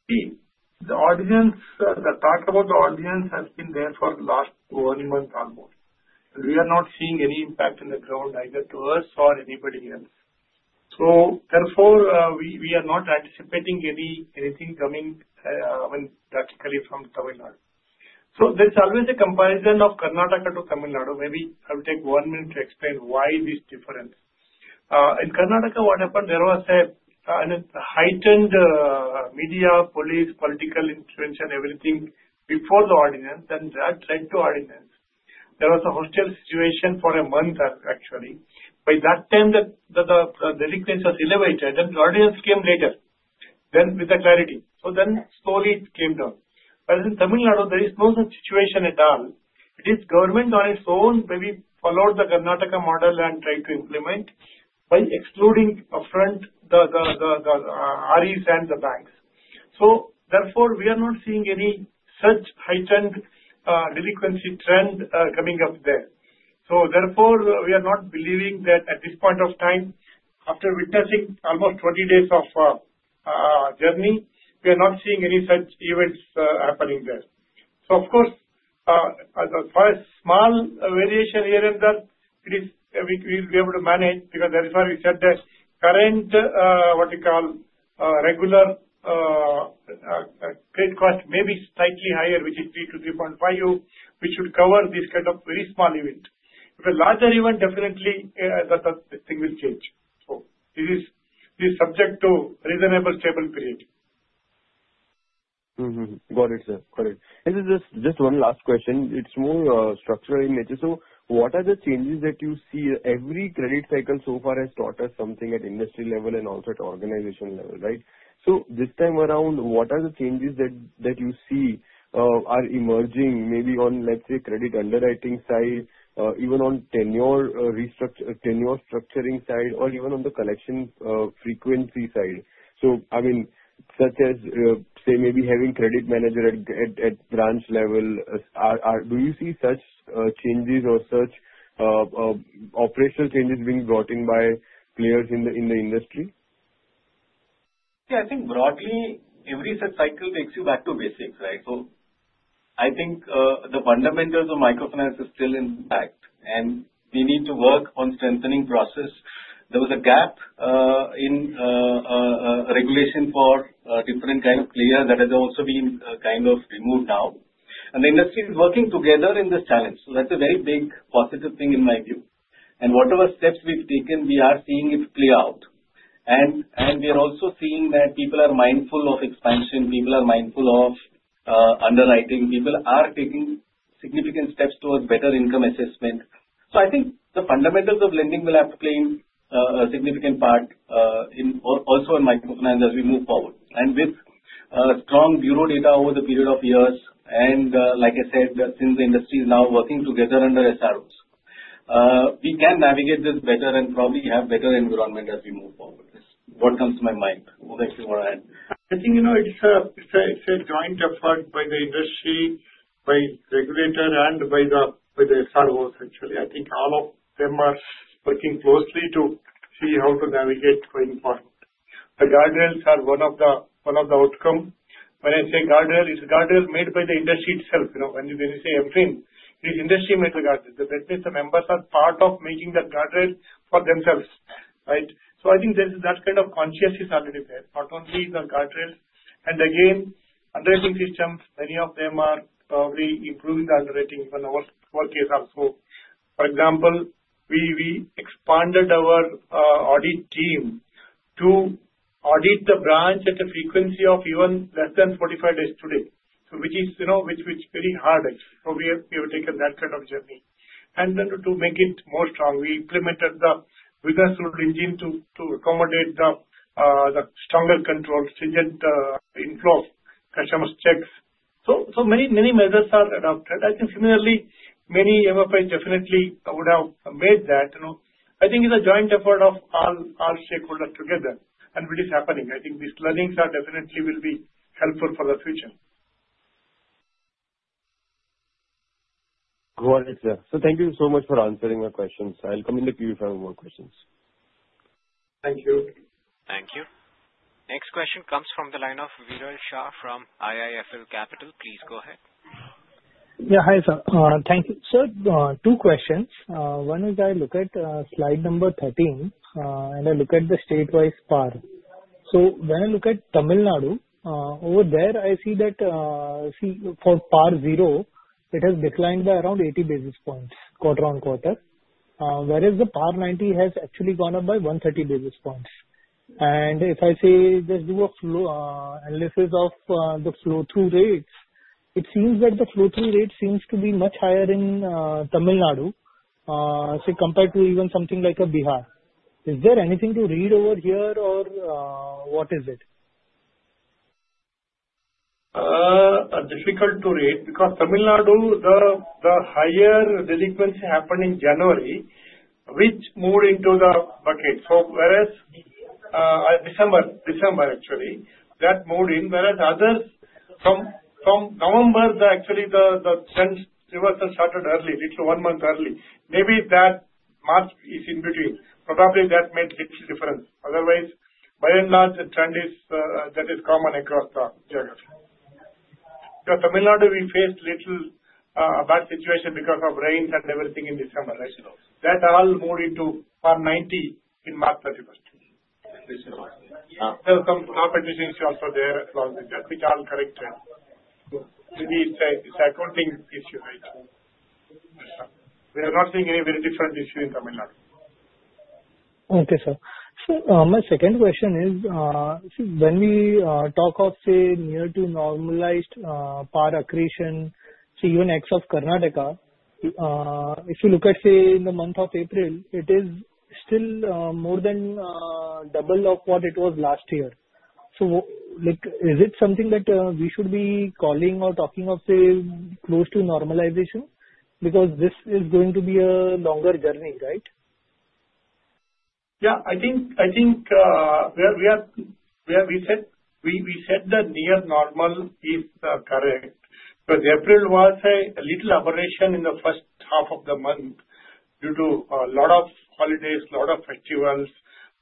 S3: The talk about the ordinance has been there for the last one month almost. We are not seeing any impact on the ground either to us or anybody else. Therefore, we are not anticipating anything coming practically from Tamil Nadu. There is always a comparison of Karnataka to Tamil Nadu. Maybe I will take one minute to explain why this difference. In Karnataka, what happened, there was a heightened media, police, political intervention, everything before the ordinance. That led to the ordinance. There was a hostile situation for a month actually. By that time, the delinquency was elevated and the ordinance came later. With the clarity, it slowly came down. In Tamil Nadu, there is no such situation at all. The government on its own maybe followed the Karnataka model and tried to implement by excluding upfront the REs and the banks. Therefore, we are not seeing any such heightened delinquency trend coming up there. Therefore, we are not believing that at this point of time, after witnessing almost [30] days of journey, we are not seeing any such events happening there. Of course, as far as small variation here and there, we'll be able to manage because that is why we said that current what you call regular credit cost may be slightly higher, which is 3-3.5%, which should cover this kind of very small event. If a larger event, definitely the thing will change. This is subject to reasonable stable period.
S12: Got it, sir. Got it. Just one last question. It's more structural in nature. What are the changes that you see? Every credit cycle so far has taught us something at industry level and also at organization level, right? This time around, what are the changes that you see are emerging maybe on, let's say, credit underwriting side, even on tenure structuring side, or even on the collection frequency side? I mean, such as say maybe having credit manager at branch level, do you see such changes or such operational changes being brought in by players in the industry?
S7: Yeah. I think broadly, every such cycle takes you back to basics, right? I think the fundamentals of microfinance are still intact. We need to work on strengthening process. There was a gap in regulation for different kinds of players that has also been kind of removed now. The industry is working together in this challenge. That is a very big positive thing in my view. Whatever steps we have taken, we are seeing it play out. We are also seeing that people are mindful of expansion. People are mindful of underwriting. People are taking significant steps towards better income assessment. I think the fundamentals of lending will have to play a significant part also in microfinance as we move forward. With strong bureau data over the period of years, and like I said, since the industry is now working together under SROs, we can navigate this better and probably have better environment as we move forward. That is what comes to my mind. What else you want to add?
S3: I think it is a joint effort by the industry, by regulator, and by the SROs actually. I think all of them are working closely to see how to navigate going forward. The guardrails are one of the outcomes. When I say guardrail, it is guardrail made by the industry itself. When you say MPIN, it is industry-made guardrail. The members are part of making the guardrail for themselves, right? I think that kind of consciousness is already there. Not only the guardrails. Again, underwriting systems, many of them are probably improving the underwriting, even our case also. For example, we expanded our audit team to audit the branch at a frequency of even less than 45 days today, which is very hard actually. We have taken that kind of journey. To make it more strong, we implemented the weakness rule engine to accommodate the stronger control, stringent inflow, customers' checks. Many measures are adopted. I think similarly, many MFIs definitely would have made that. I think it is a joint effort of all stakeholders together. It is happening. I think these learnings definitely will be helpful for the future.
S12: Got it, sir. Thank you so much for answering my questions. I'll come in the queue if I have more questions.
S3: Thank you.
S1: Thank you. Next question comes from the line of Viral Shah from IIFL Capital. Please go ahead.
S13: Yeah. Hi, sir. Thank you. Sir, two questions. One is I look at slide number 13, and I look at the state-wise PAR. So when I look at Tamil Nadu, over there, I see that for PAR 0, it has declined by around 80 basis points quarter-on-quarter. Whereas the PAR 90 has actually gone up by 130 basis points. And if I say just do a analysis of the flow-through rates, it seems that the flow-through rate seems to be much higher in Tamil Nadu, say, compared to even something like Bihar. Is there anything to read over here, or what is it?
S3: Difficult to read because Tamil Nadu, the higher delinquency happened in January, which moved into the bucket. So whereas December, December actually, that moved in. Whereas others from November, actually, the trend started early, little one month early. Maybe that March is in between. Probably that made little difference. Otherwise, by and large, the trend is that is common across the geography. Tamil Nadu, we faced little bad situation because of rains and everything in December, right? That all moved into PAR 90 in March 31. There are some competitions also there along with that, which are corrected. Maybe it's an accounting issue, right? We are not seeing any very different issue in Tamil Nadu.
S13: Okay, sir. My second question is, when we talk of, say, near to normalized PAR accretion, see, even X of Karnataka, if you look at, say, in the month of April, it is still more than double of what it was last year. Is it something that we should be calling or talking of, say, close to normalization? Because this is going to be a longer journey, right?
S3: Yeah. I think we said the near normal is correct. April was a little aberration in the first half of the month due to a lot of holidays, a lot of festivals,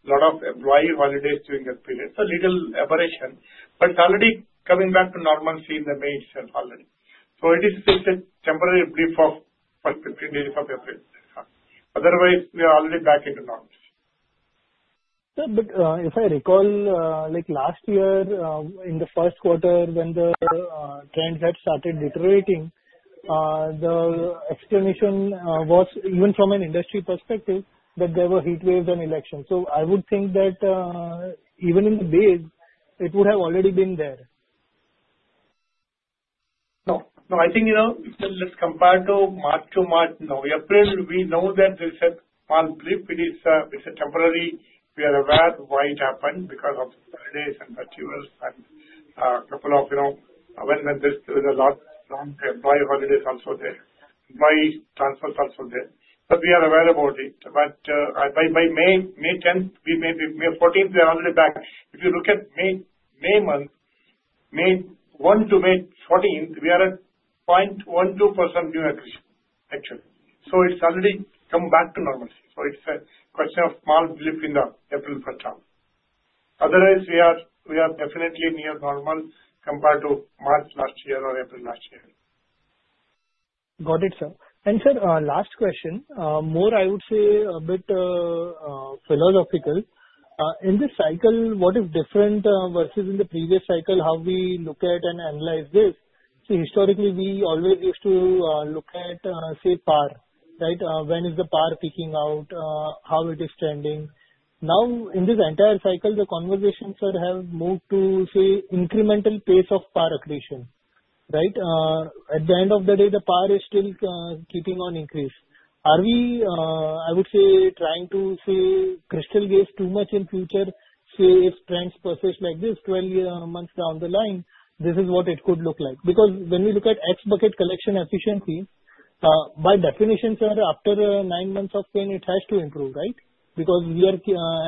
S3: a lot of employee holidays during that period. So little aberration. It is already coming back to normalcy in May itself already. It is just a temporary brief of 15 days of April. Otherwise, we are already back into normal.
S13: If I recall, last year, in the first quarter, when the trends had started deteriorating, the explanation was even from an industry perspective that there were heat waves and elections. I would think that even in the days, it would have already been there.
S3: No. No. I think let's compare to March-March. No April, we know that there is a small brief. It is temporary. We are aware why it happened because of holidays and festivals and a couple of when there was a lot of employee holidays also there. Employee transfers also there. We are aware about it. By May 10th, May 14th, we are already back. If you look at May month, May 1-May 14th, we are at 0.12% new accretion, actually. It has already come back to normalcy. It is a question of small brief in the April first half. Otherwise, we are definitely near normal compared to March last year or April last year.
S13: Got it, sir. Sir, last question, more I would say a bit philosophical. In this cycle, what is different versus in the previous cycle, how we look at and analyze this? Historically, we always used to look at, say, PAR, right? When is the PAR peaking out? How is it trending? Now, in this entire cycle, the conversations, sir, have moved to, say, incremental pace of PAR accretion, right? At the end of the day, the PAR is still keeping on increase. Are we, I would say, trying to say crystal gaze too much in future, say, if trends persist like this 12 months down the line, this is what it could look like? Because when we look at X bucket collection efficiency, by definition, sir, after nine months of pain, it has to improve, right? Because we are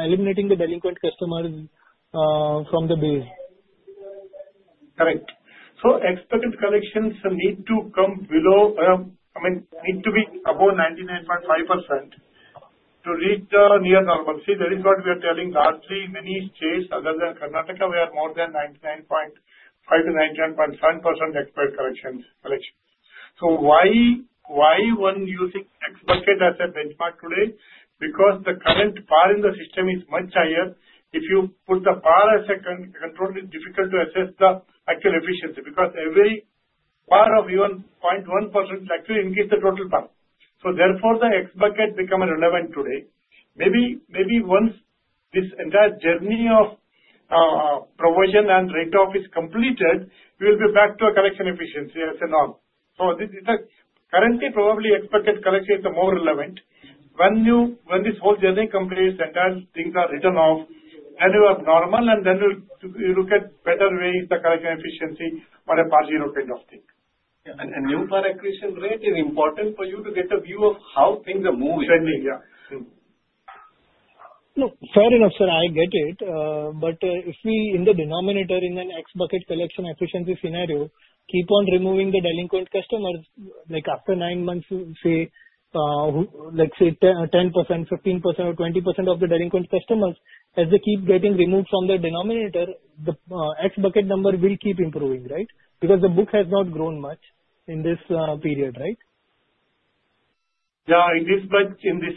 S13: eliminating the delinquent customers from the base.
S3: Correct. So X bucket collections need to come below, I mean, need to be above 99.5% to reach the near normalcy. That is what we are telling largely many states other than Karnataka, where more than 99.5-99.7% X bucket collections. Why one using X bucket as a benchmark today? Because the current PAR in the system is much higher. If you put the PAR as a control, it's difficult to assess the actual efficiency because every PAR of even 0.1% actually increases the total PAR. Therefore, the X bucket becomes relevant today. Maybe once this entire journey of provision and write-off is completed, we will be back to a collection efficiency as a norm. Currently, probably X bucket collection is more relevant. When this whole journey completes, entire things are written off, then we are normal, and then we look at better ways, the collection efficiency or a PAR 0 kind of thing.
S13: New PAR accretion rate is important for you to get a view of how things are moving.
S3: Trending, yeah.
S13: Fair enough, sir. I get it. If we in the denominator in an X bucket collection efficiency scenario keep on removing the delinquent customers, after nine months, let's say 10%, 15%, or 20% of the delinquent customers, as they keep getting removed from the denominator, the X bucket number will keep improving, right? Because the book has not grown much in this period, right?
S3: Yeah. In this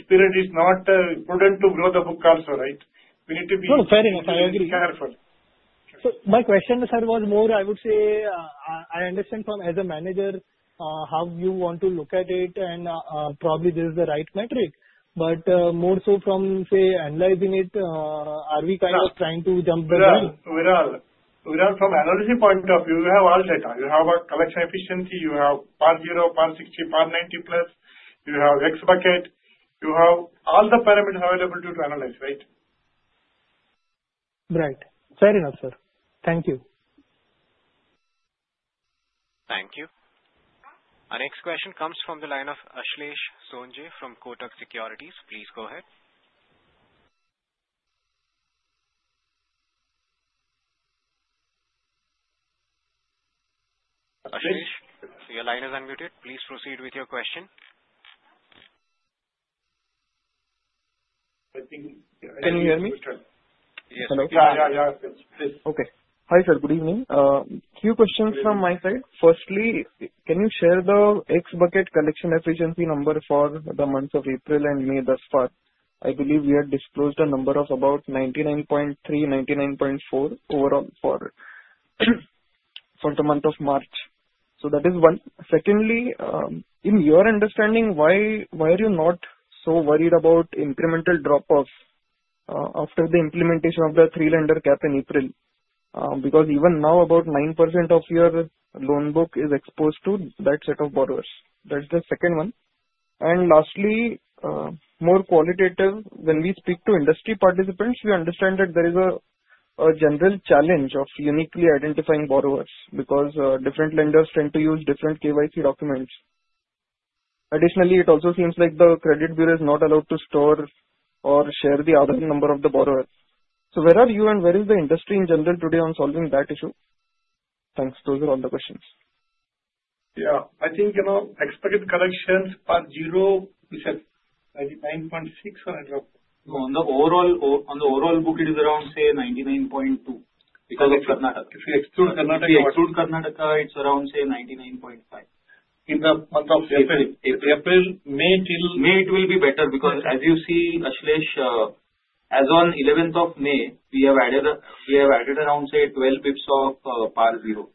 S3: period, it's not important to grow the book also, right? We need to be careful.
S13: Fair enough. I agree. My question, sir, was more, I would say, I understand as a manager how you want to look at it, and probably this is the right metric. More so from, say, analyzing it, are we kind of trying to jump the gun?
S3: We're all. From analogy point of view, you have all data. You have a collection efficiency. You have PAR 0, PAR 60, PAR 90+. You have X bucket. You have all the parameters available to you to analyze, right?
S13: Right. Fair enough, sir. Thank you.
S1: Thank you. Our next question comes from the line of Ashlesh Sonje from Kotak Securities. Please go ahead. Ashlesh, your line is unmuted. Please proceed with your question.
S14: I think can you hear me?
S7: Yes.
S14: Hello.
S3: Yeah. Yeah. Yeah. Please.
S14: Okay. Hi, sir. Good evening. A few questions from my side. Firstly, can you share the X bucket collection efficiency number for the months of April and May thus far? I believe we had disclosed a number of about 99.3%, 99.4% overall for the month of March. So that is one. Secondly, in your understanding, why are you not so worried about incremental drop-off after the implementation of the three-lender cap in April? Because even now, about 9% of your loan book is exposed to that set of borrowers. That's the second one. Lastly, more qualitative, when we speak to industry participants, we understand that there is a general challenge of uniquely identifying borrowers because different lenders tend to use different KYC documents. Additionally, it also seems like the redit bureau is not allowed to store or share the [Aadhaar] number of the borrowers. Where are you, and where is the industry in general today on solving that issue? Thanks. Those are all the questions.
S3: Yeah. I think X bucket collections, PAR 0, you said 99.6% or?
S5: No. On the overall book, it is around, say, 99.2%. If you exclude Karnataka, it is around, say, 99.5% in the month of April. April, May till May, it will be better because, as you see, Ashlesh, as of 11th of May, we have added around, say, 12 basis points of PAR 0.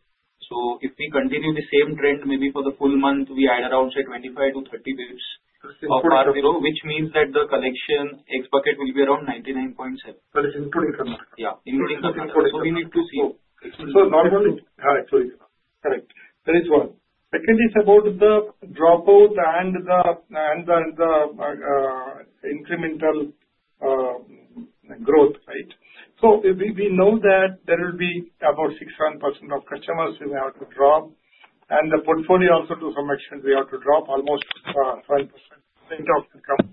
S5: If we continue the same trend, maybe for the full month, we add around, say, 25-30 basis points of PAR 0, which means that the collection X bucket will be around 99.7%.
S3: It is including Karnataka.
S5: Yeah. Including Karnataka. We need to see.
S3: Normally, yeah, it is already there. Correct. That is one. Second is about the dropout and the incremental growth, right? We know that there will be about 6-7% of customers we may have to drop. The portfolio also does some actions. We have to drop almost 7% rate of income.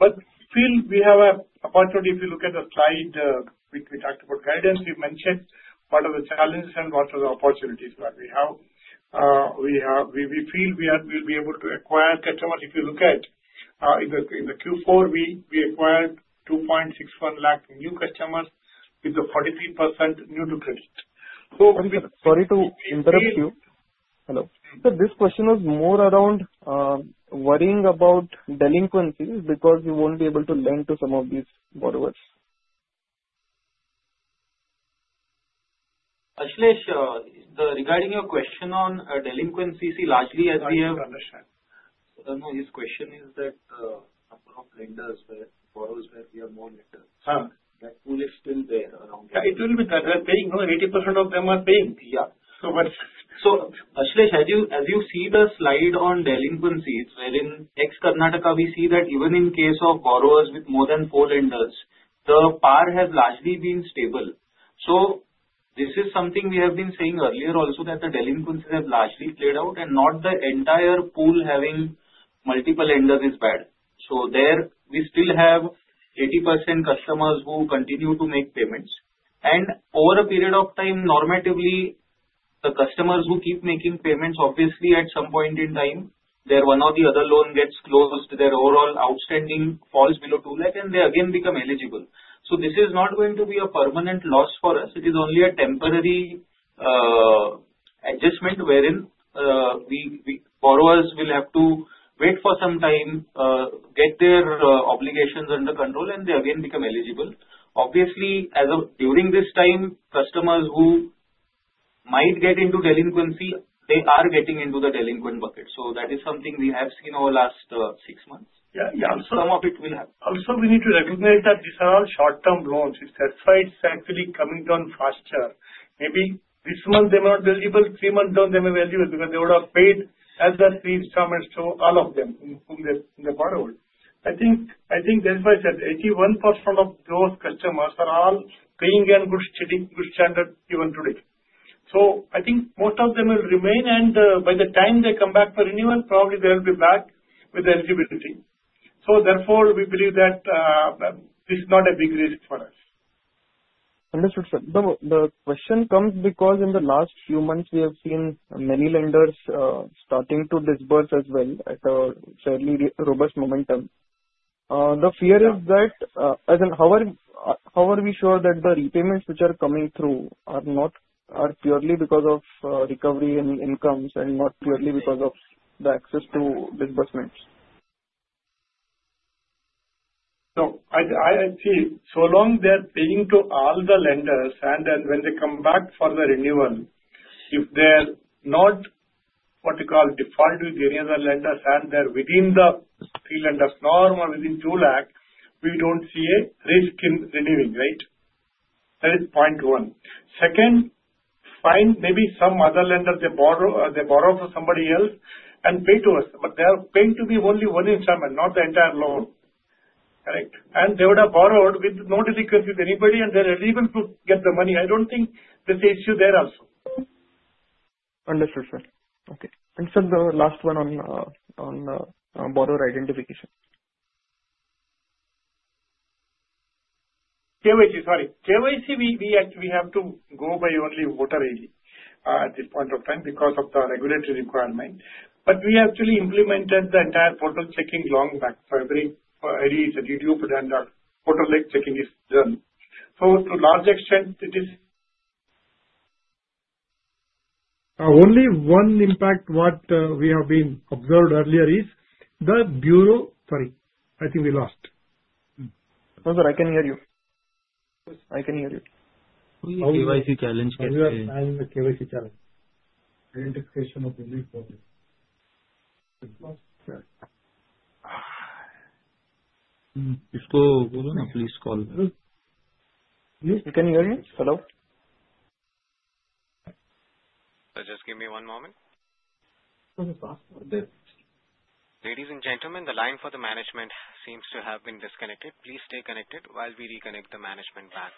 S3: We feel we have an opportunity if you look at the slide we talked about guidance. We mentioned what are the challenges and what are the opportunities that we have. We feel we will be able to acquire customers. If you look at in the Q4, we acquired 2.61 lakh new customers with the 43% new-to-credit.
S14: Sorry to interrupt you. Hello. This question was more around worrying about delinquencies because we will not be able to lend to some of these borrowers.
S5: Ashlesh, regarding your question on delinquencies, largely as we have understood. No, his question is that number of lenders, borrowers where we have more lenders. That pool is still there around.
S3: Yeah. It will be paying. 80% of them are paying.
S5: Yeah. Ashlesh, as you see the slide on delinquencies, wherein excluding Karnataka, we see that even in case of borrowers with more than four lenders, the PAR has largely been stable. This is something we have been saying earlier also, that the delinquencies have largely played out, and not the entire pool having multiple lenders is bad. There, we still have 80% customers who continue to make payments. Over a period of time, normatively, the customers who keep making payments, obviously, at some point in time, their one or the other loan gets closed, their overall outstanding falls below 2 lakh, and they again become eligible. This is not going to be a permanent loss for us. It is only a temporary adjustment wherein borrowers will have to wait for some time, get their obligations under control, and they again become eligible. Obviously, during this time, customers who might get into delinquency, they are getting into the delinquent bucket. That is something we have seen over the last six months.
S3: Yeah. Yeah. Also, some of it will have. Also, we need to recognize that these are all short-term loans. It's that price is actually coming down faster. Maybe this month they're not eligible. Three months down, they may be eligible because they would have paid as the three installments to all of them in the borrower. I think that's why I said 81% of those customers are all paying and good standards even today. I think most of them will remain, and by the time they come back for renewal, probably they will be back with eligibility. Therefore, we believe that this is not a big risk for us.
S14: Understood, sir. The question comes because in the last few months, we have seen many lenders starting to disburse as well at a fairly robust momentum. The fear is that, as in, how are we sure that the repayments which are coming through are purely because of recovery in incomes and not purely because of the access to disbursements?
S3: I see it. So long as they're paying to all the lenders, and then when they come back for the renewal, if they're not, what you call, default with any other lenders and they're within the three-lender norm or within 2 lakh, we don't see a risk in renewing, right? That is point one. Second, find maybe some other lender. They borrow from somebody else and pay to us. But they are paying to me only one installment, not the entire loan.
S7: Correct.
S3: And they would have borrowed with no delinquency with anybody, and they're eligible to get the money. I don't think there's an issue there also.
S14: Understood, sir. Okay. Sir, the last one on borrower identification.
S3: KYC, sorry. KYC, we have to go by only voter ID at this point of time because of the regulatory requirement. We actually implemented the entire portal checking long back. Every ID, the DDUP and the portal checking is done. To a large extent, it is. Only one impact we have observed earlier is the bureau—sorry, I think we lost.
S14: No, sir, I can hear you. I can hear you.
S5: KYC challenge gets.
S3: KYC challenge. Identification of the new bureau.
S5: Please call.
S14: Yes, can you hear me? Hello?
S1: Just give me one moment. Ladies and gentlemen, the line for the management seems to have been disconnected. Please stay connected while we reconnect the management back.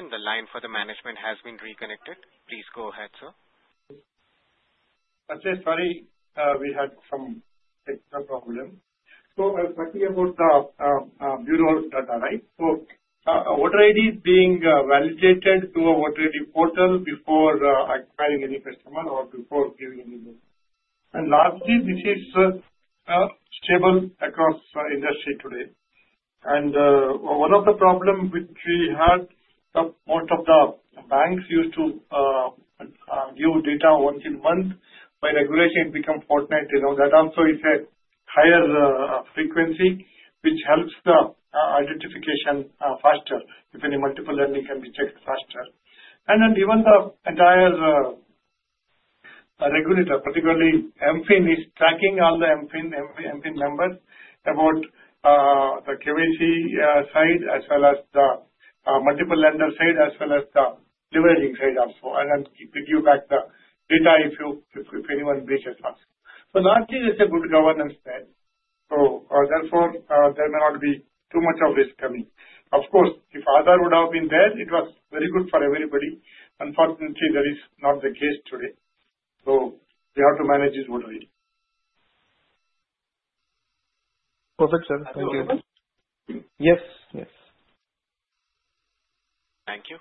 S1: Ladies and gentlemen, the line for the management has been reconnected. Please go ahead, sir.
S3: Ashlesh, sorry, we had some technical problem. I was talking about the bureau data, right? Voter ID is being validated through a voter ID portal before acquiring any customer or before giving any loan. Lastly, this is stable across industry today. One of the problems which we had, most of the banks used to give data once a month. By regulation, it became fortnight. That also is a higher frequency, which helps the identification faster if any multiple lending can be checked faster. Even the entire regulator, particularly MFIN, is tracking all the MFIN members about the KYC side as well as the multiple lender side as well as the leveraging side also. Then give you back the data if anyone breaches us. Lastly. There is good governance there. Therefore, there may not be too much of risk coming. Of course, if others would have been there, it was very good for everybody. Unfortunately, that is not the case today. So we have to manage this voter ID.
S14: Perfect, sir. Thank you.
S3: Yes. Yes.
S1: Thank you.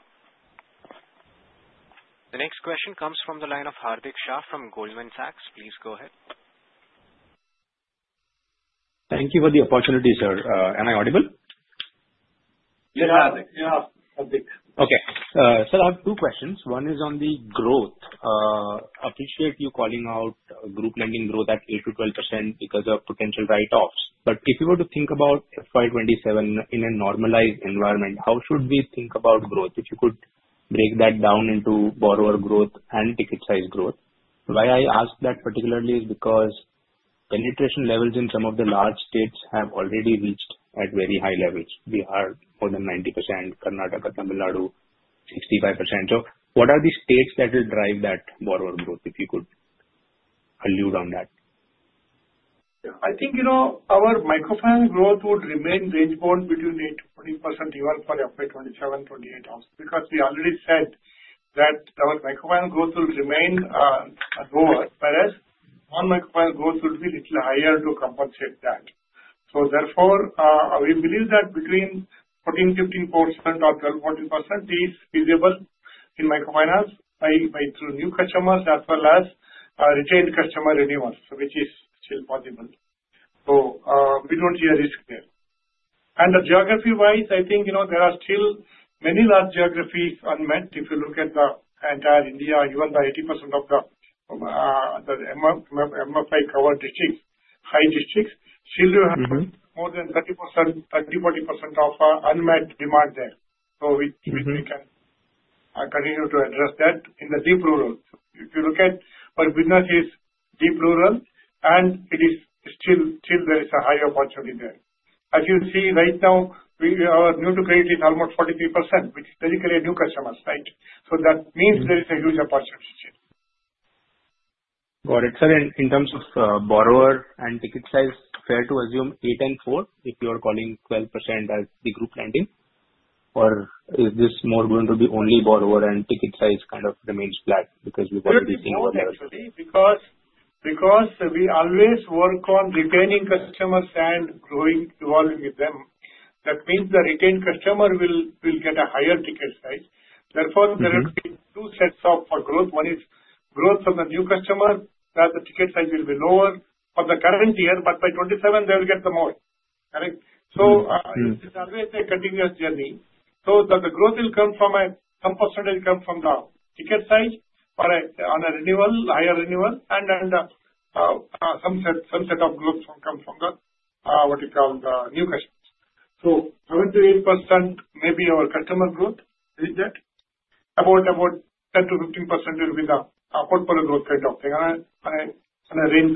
S1: The next question comes from the line of Hardik Shah from Goldman Sachs. Please go ahead.
S15: Thank you for the opportunity, sir. Am I audible?
S7: Yes, Hardik.
S3: Yeah. Hardik.
S15: Okay. Sir, I have two questions. One is on the growth. Appreciate you calling out group lending growth at 8-12% because of potential write-offs. If you were to think about FY 2027 in a normalized environment, how should we think about growth? If you could break that down into borrower growth and ticket size growth. Why I ask that particularly is because penetration levels in some of the large states have already reached at very high levels. We are more than 90%, Karnataka, Tamil Nadu, 65%. What are the states that will drive that borrower growth if you could allude on that?
S3: I think our microfinance growth would remain range bound between 8-20% even for FY 2027-2028 house because we already said that our microfinance growth will remain lower, whereas non-microfinance growth would be a little higher to compensate that. Therefore, we believe that between 14-15% or 12-14% is feasible in microfinance by through new customers as well as retained customer renewals, which is still possible. We do not see a risk there. Geography-wise, I think there are still many large geographies unmet. If you look at the entire India, even the 80% of the MFI-covered districts, high districts, still. More than 30%, 30-40% of unmet demand there. We can continue to address that in the deep rural. If you look at our businesses, deep rural, and it is still there is a high opportunity there. As you see right now, our new-to-credit is almost 43%, which is basically new customers, right? That means there is a huge opportunity here.
S15: Got it. Sir, in terms of borrower and ticket size, fair to assume eight and four if you are calling 12% as the group lending? Or is this more going to be only borrower and ticket size kind of remains flat because we have already seen other levels?
S3: Yeah. It is opportunity because we always work on retaining customers and growing, evolving with them. That means the retained customer will get a higher ticket size. Therefore, there will be two sets of growth. One is growth from the new customer. The ticket size will be lower for the current year, but by 2027, they will get more. Correct? It is always a continuous journey. The growth will come from some percentage coming from the ticket size on a renewal, higher renewal, and then some set of growth will come from the, what you call, the new customers. 7%-8% may be our customer growth. Is that about 10-15% will be the portfolio growth kind of thing on a range bound kind of thing.
S15: Understood. Very clear, sir. Second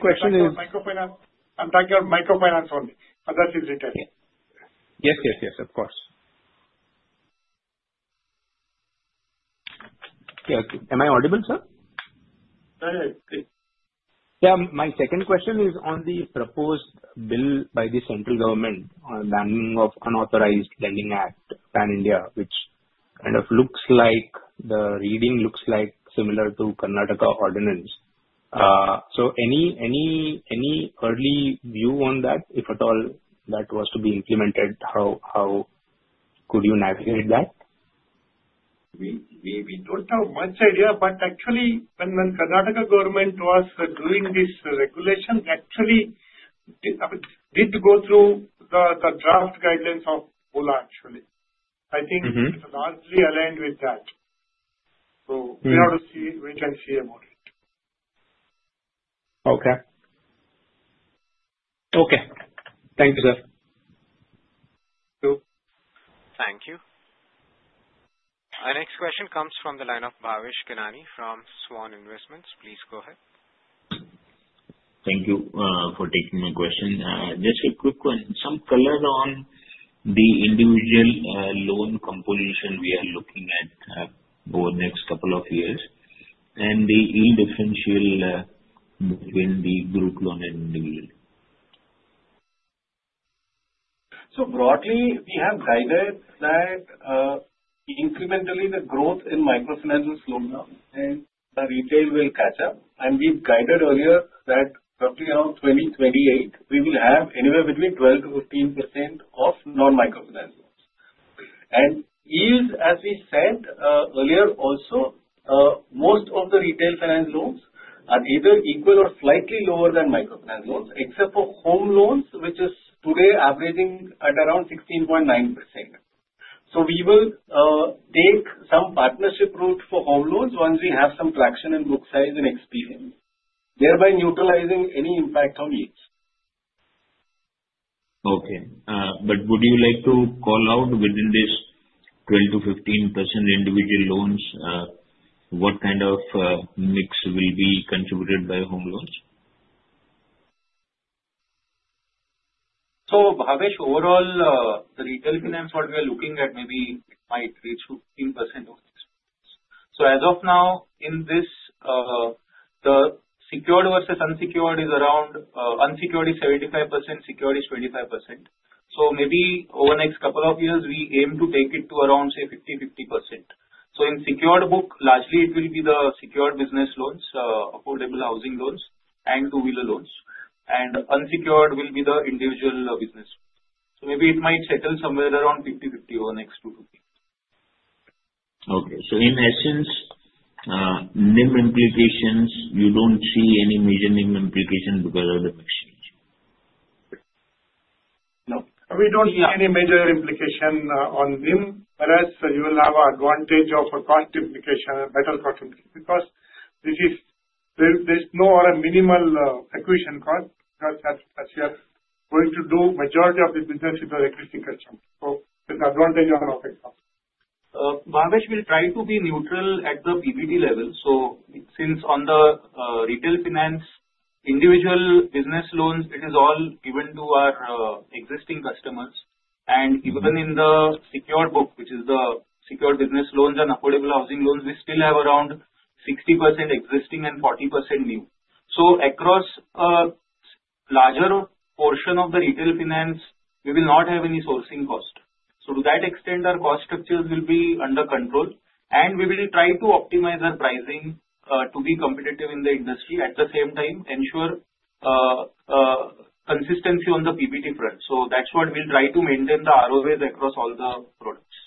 S15: question is.
S3: I am talking about microfinance only. That is retained.
S15: Yes. Yes. Yes. Of course. Yes. Am I audible, sir?
S3: Yeah.
S15: My second question is on the proposed bill by the central government on the banning of unauthorized lending act Pan India, which kind of looks like the reading looks like similar to Karnataka ordinance. Any early view on that? If at all, that was to be implemented, how could you navigate that?
S3: We do not have much idea. Actually, when Karnataka government was doing this regulation, it did go through the draft guidelines of BOLA, actually. I think it is largely aligned with that. We have to see when we can see about it.
S15: Okay. Okay. Thank you, sir.
S1: Thank you. Our next question comes from the line of Bhavesh Kanani from Svan Investments. Please go ahead.
S16: Thank you for taking my question. Just a quick one. Some colors on the individual loan composition we are looking at over the next couple of years and the yield differential between the group loan and individual.
S7: Broadly, we have guided that incrementally, the growth in microfinance will slow down, and the retail will catch up. We have guided earlier that roughly around 2028, we will have anywhere between 12-15% of non-microfinance loans. Yield, as we said earlier also, most of the retail finance loans are either equal or slightly lower than microfinance loans, except for home loans, which is today averaging at around 16.9%. We will take some partnership route for home loans once we have some traction in book size and experience, thereby neutralizing any impact on yields.
S16: Okay. Would you like to call out within this 12%-15% individual loans, what kind of mix will be contributed by home loans?
S5: So Bhavesh, overall, the retail finance, what we are looking at, maybe it might reach 15% of this. As of now, in this, the secured versus unsecured is around unsecured is 75%, secured is 25%. Maybe over the next couple of years, we aim to take it to around, say, 50%-50%. In the secured book, largely, it will be the secured business loans, affordable housing loans, and two-wheeler loans. Unsecured will be the individual business. Maybe it might settle somewhere around 50%-50% over the next two to three.
S16: Okay. In essence, NIM implications, you do not see any major NIM implication because of the mixture.
S3: No. We do not see any major implication on NIM, whereas you will have an advantage of a cost implication, a better cost implication because there is no or a minimal acquisition cost because you are going to do majority of the business with the acquisition customer. There is advantage on office cost.
S5: Bhavesh will try to be neutral at the PPT level. Since on the retail finance, individual business loans, it is all given to our existing customers. Even in the secured book, which is the secured business loans and affordable housing loans, we still have around 60% existing and 40% new. Across a larger portion of the retail finance, we will not have any sourcing cost. To that extent, our cost structures will be under control. We will try to optimize our pricing to be competitive in the industry at the same time, ensure consistency on the PPT front. That is what we will try to maintain the ROAs across all the products.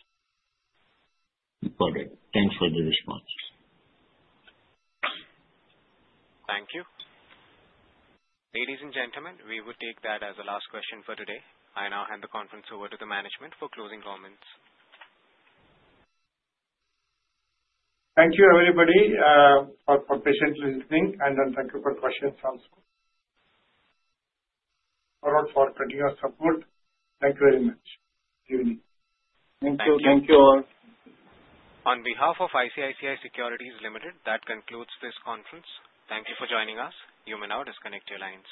S16: Got it. Thanks for the response.
S1: Thank you. Ladies and gentlemen, we will take that as the last question for today. I now hand the conference over to the management for closing comments.
S3: Thank you, everybody, for patient listening. And thank you for questions also. For all for continuing our support, thank you very much. Good evening.
S1: Thank you.
S7: Thank you all.
S1: On behalf of ICICI Securities Limited, that concludes this conference. Thank you for joining us. You may now disconnect your lines.